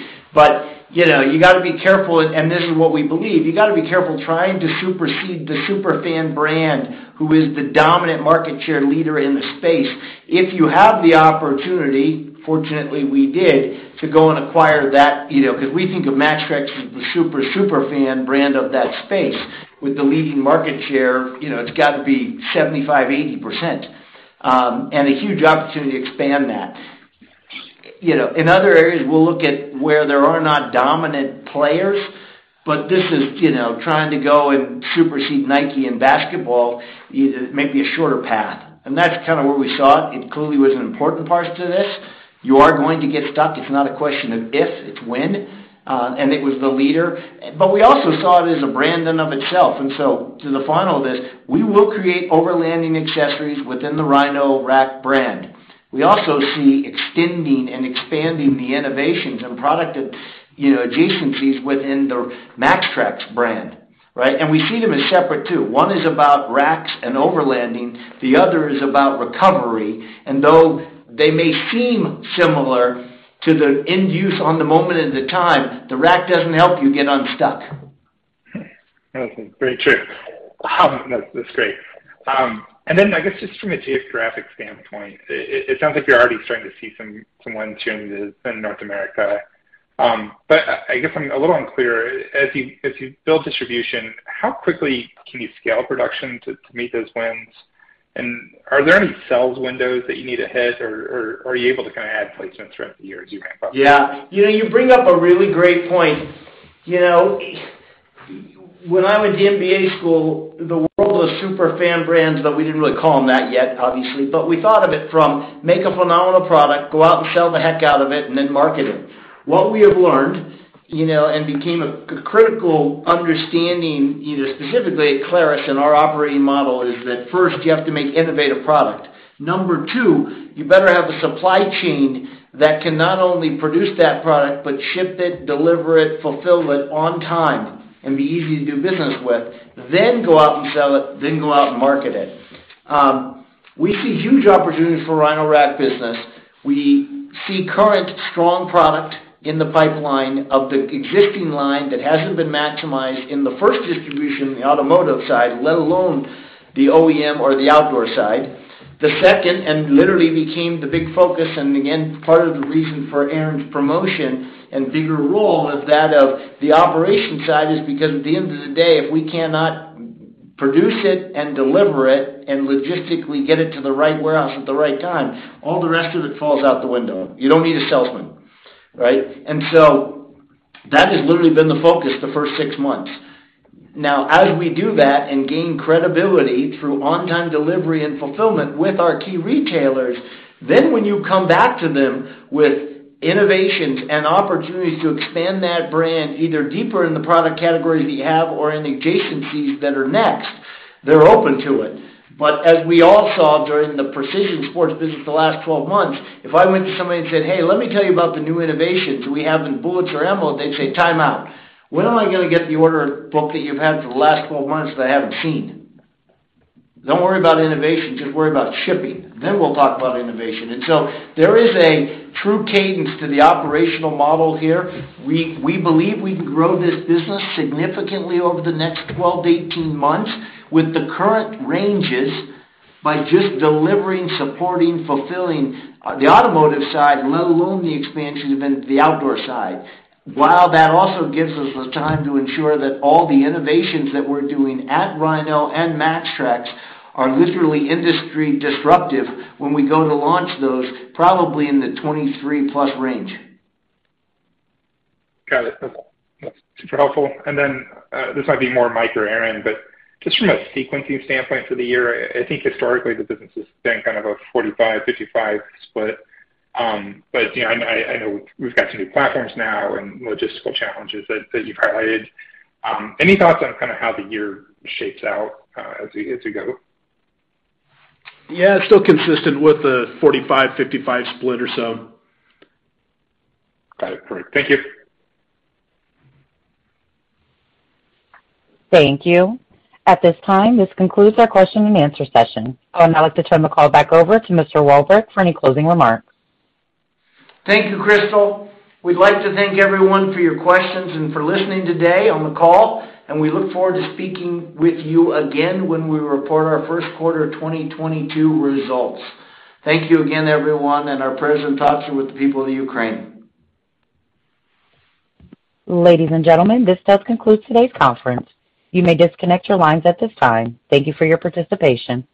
Speaker 3: You know, you gotta be careful, and this is what we believe, you gotta be careful trying to supersede the super fan brand who is the dominant market share leader in the space. If you have the opportunity, fortunately we did, to go and acquire that, you know, 'cause we think of MAXTRAX as the super fan brand of that space with the leading market share. You know, it's gotta be 75%-80%. And a huge opportunity to expand that. You know, in other areas, we'll look at where there are not dominant players. This is, you know, trying to go and supersede Nike in basketball. It may be a shorter path, and that's kind of where we saw it. It clearly was an important part to this. You are going to get stuck. It's not a question of if, it's when. It was the leader. We also saw it as a brand in and of itself. To the final of this, we will create overlanding accessories within the Rhino-Rack brand. We also see extending and expanding the innovations and product, you know, adjacencies within the MAXTRAX brand, right? We see them as separate too. One is about racks and overlanding, the other is about recovery. Though they may seem similar to the end user in the moment in time, the rack doesn't help you get unstuck.
Speaker 13: Okay. Very true. That's great. From a geographic standpoint, it sounds like you're already starting to see some wins turning in North America. But I guess I'm a little unclear. As you build distribution, how quickly can you scale production to meet those wins? Are there any sales windows that you need to hit, or are you able to kinda add placements throughout the year as you ramp up?
Speaker 3: Yeah. You know, you bring up a really great point. You know, when I went to MBA school, the world was super fan brands, but we didn't really call them that yet, obviously. We thought of it from make a phenomenal product, go out and sell the heck out of it, and then market it. What we have learned, you know, and became a critical understanding, you know, specifically at Clarus and our operating model, is that first you have to make innovative product. Number two, you better have a supply chain that can not only produce that product but ship it, deliver it, fulfill it on time, and be easy to do business with. Then go out and sell it, then go out and market it. We see huge opportunities for Rhino-Rack business. We see current strong product in the pipeline of the existing line that hasn't been maximized in the first distribution, the automotive side, let alone the OEM or the outdoor side. The second, and literally became the big focus, and again, part of the reason for Aaron's promotion and bigger role is that of the operation side, is because at the end of the day, if we cannot produce it and deliver it and logistically get it to the right warehouse at the right time, all the rest of it falls out the window. You don't need a salesman, right? That has literally been the focus the first six months. Now, as we do that and gain credibility through on-time delivery and fulfillment with our key retailers, then when you come back to them with innovations and opportunities to expand that brand, either deeper in the product categories that you have or in adjacencies that are next. They're open to it. As we all saw during the Precision Sport business the last 12 months, if I went to somebody and said, "Hey, let me tell you about the new innovations we have in bullets or ammo," they'd say, "Time out. When am I gonna get the order book that you've had for the last 12 months that I haven't seen? Don't worry about innovation, just worry about shipping, then we'll talk about innovation." There is a true cadence to the operational model here. We believe we can grow this business significantly over the next 12-18 months with the current ranges by just delivering, supporting, fulfilling, the automotive side, let alone the expansion of then the outdoor side. While that also gives us the time to ensure that all the innovations that we're doing at Rhino and MAXTRAX are literally industry disruptive when we go to launch those, probably in the 2023+ range.
Speaker 13: Got it. That's super helpful. This might be more Mike or Aaron, but just from a sequencing standpoint for the year, I think historically the business has been kind of a 45%-55% split. You know, I know we've got some new platforms now and logistical challenges that you've highlighted. Any thoughts on kinda how the year shapes out, as we go?
Speaker 5: Yeah, it's still consistent with the 45%-55% split or so.
Speaker 13: Got it. Great. Thank you.
Speaker 1: Thank you. At this time, this concludes our question and answer session. I would now like to turn the call back over to Mr. Walbrecht for any closing remarks.
Speaker 3: Thank you, Crystal. We'd like to thank everyone for your questions and for listening today on the call, and we look forward to speaking with you again when we report our first quarter of 2022 results. Thank you again everyone, and our prayers and thoughts are with the people of Ukraine.
Speaker 1: Ladies and gentlemen, this does conclude today's conference. You may disconnect your lines at this time. Thank you for your participation.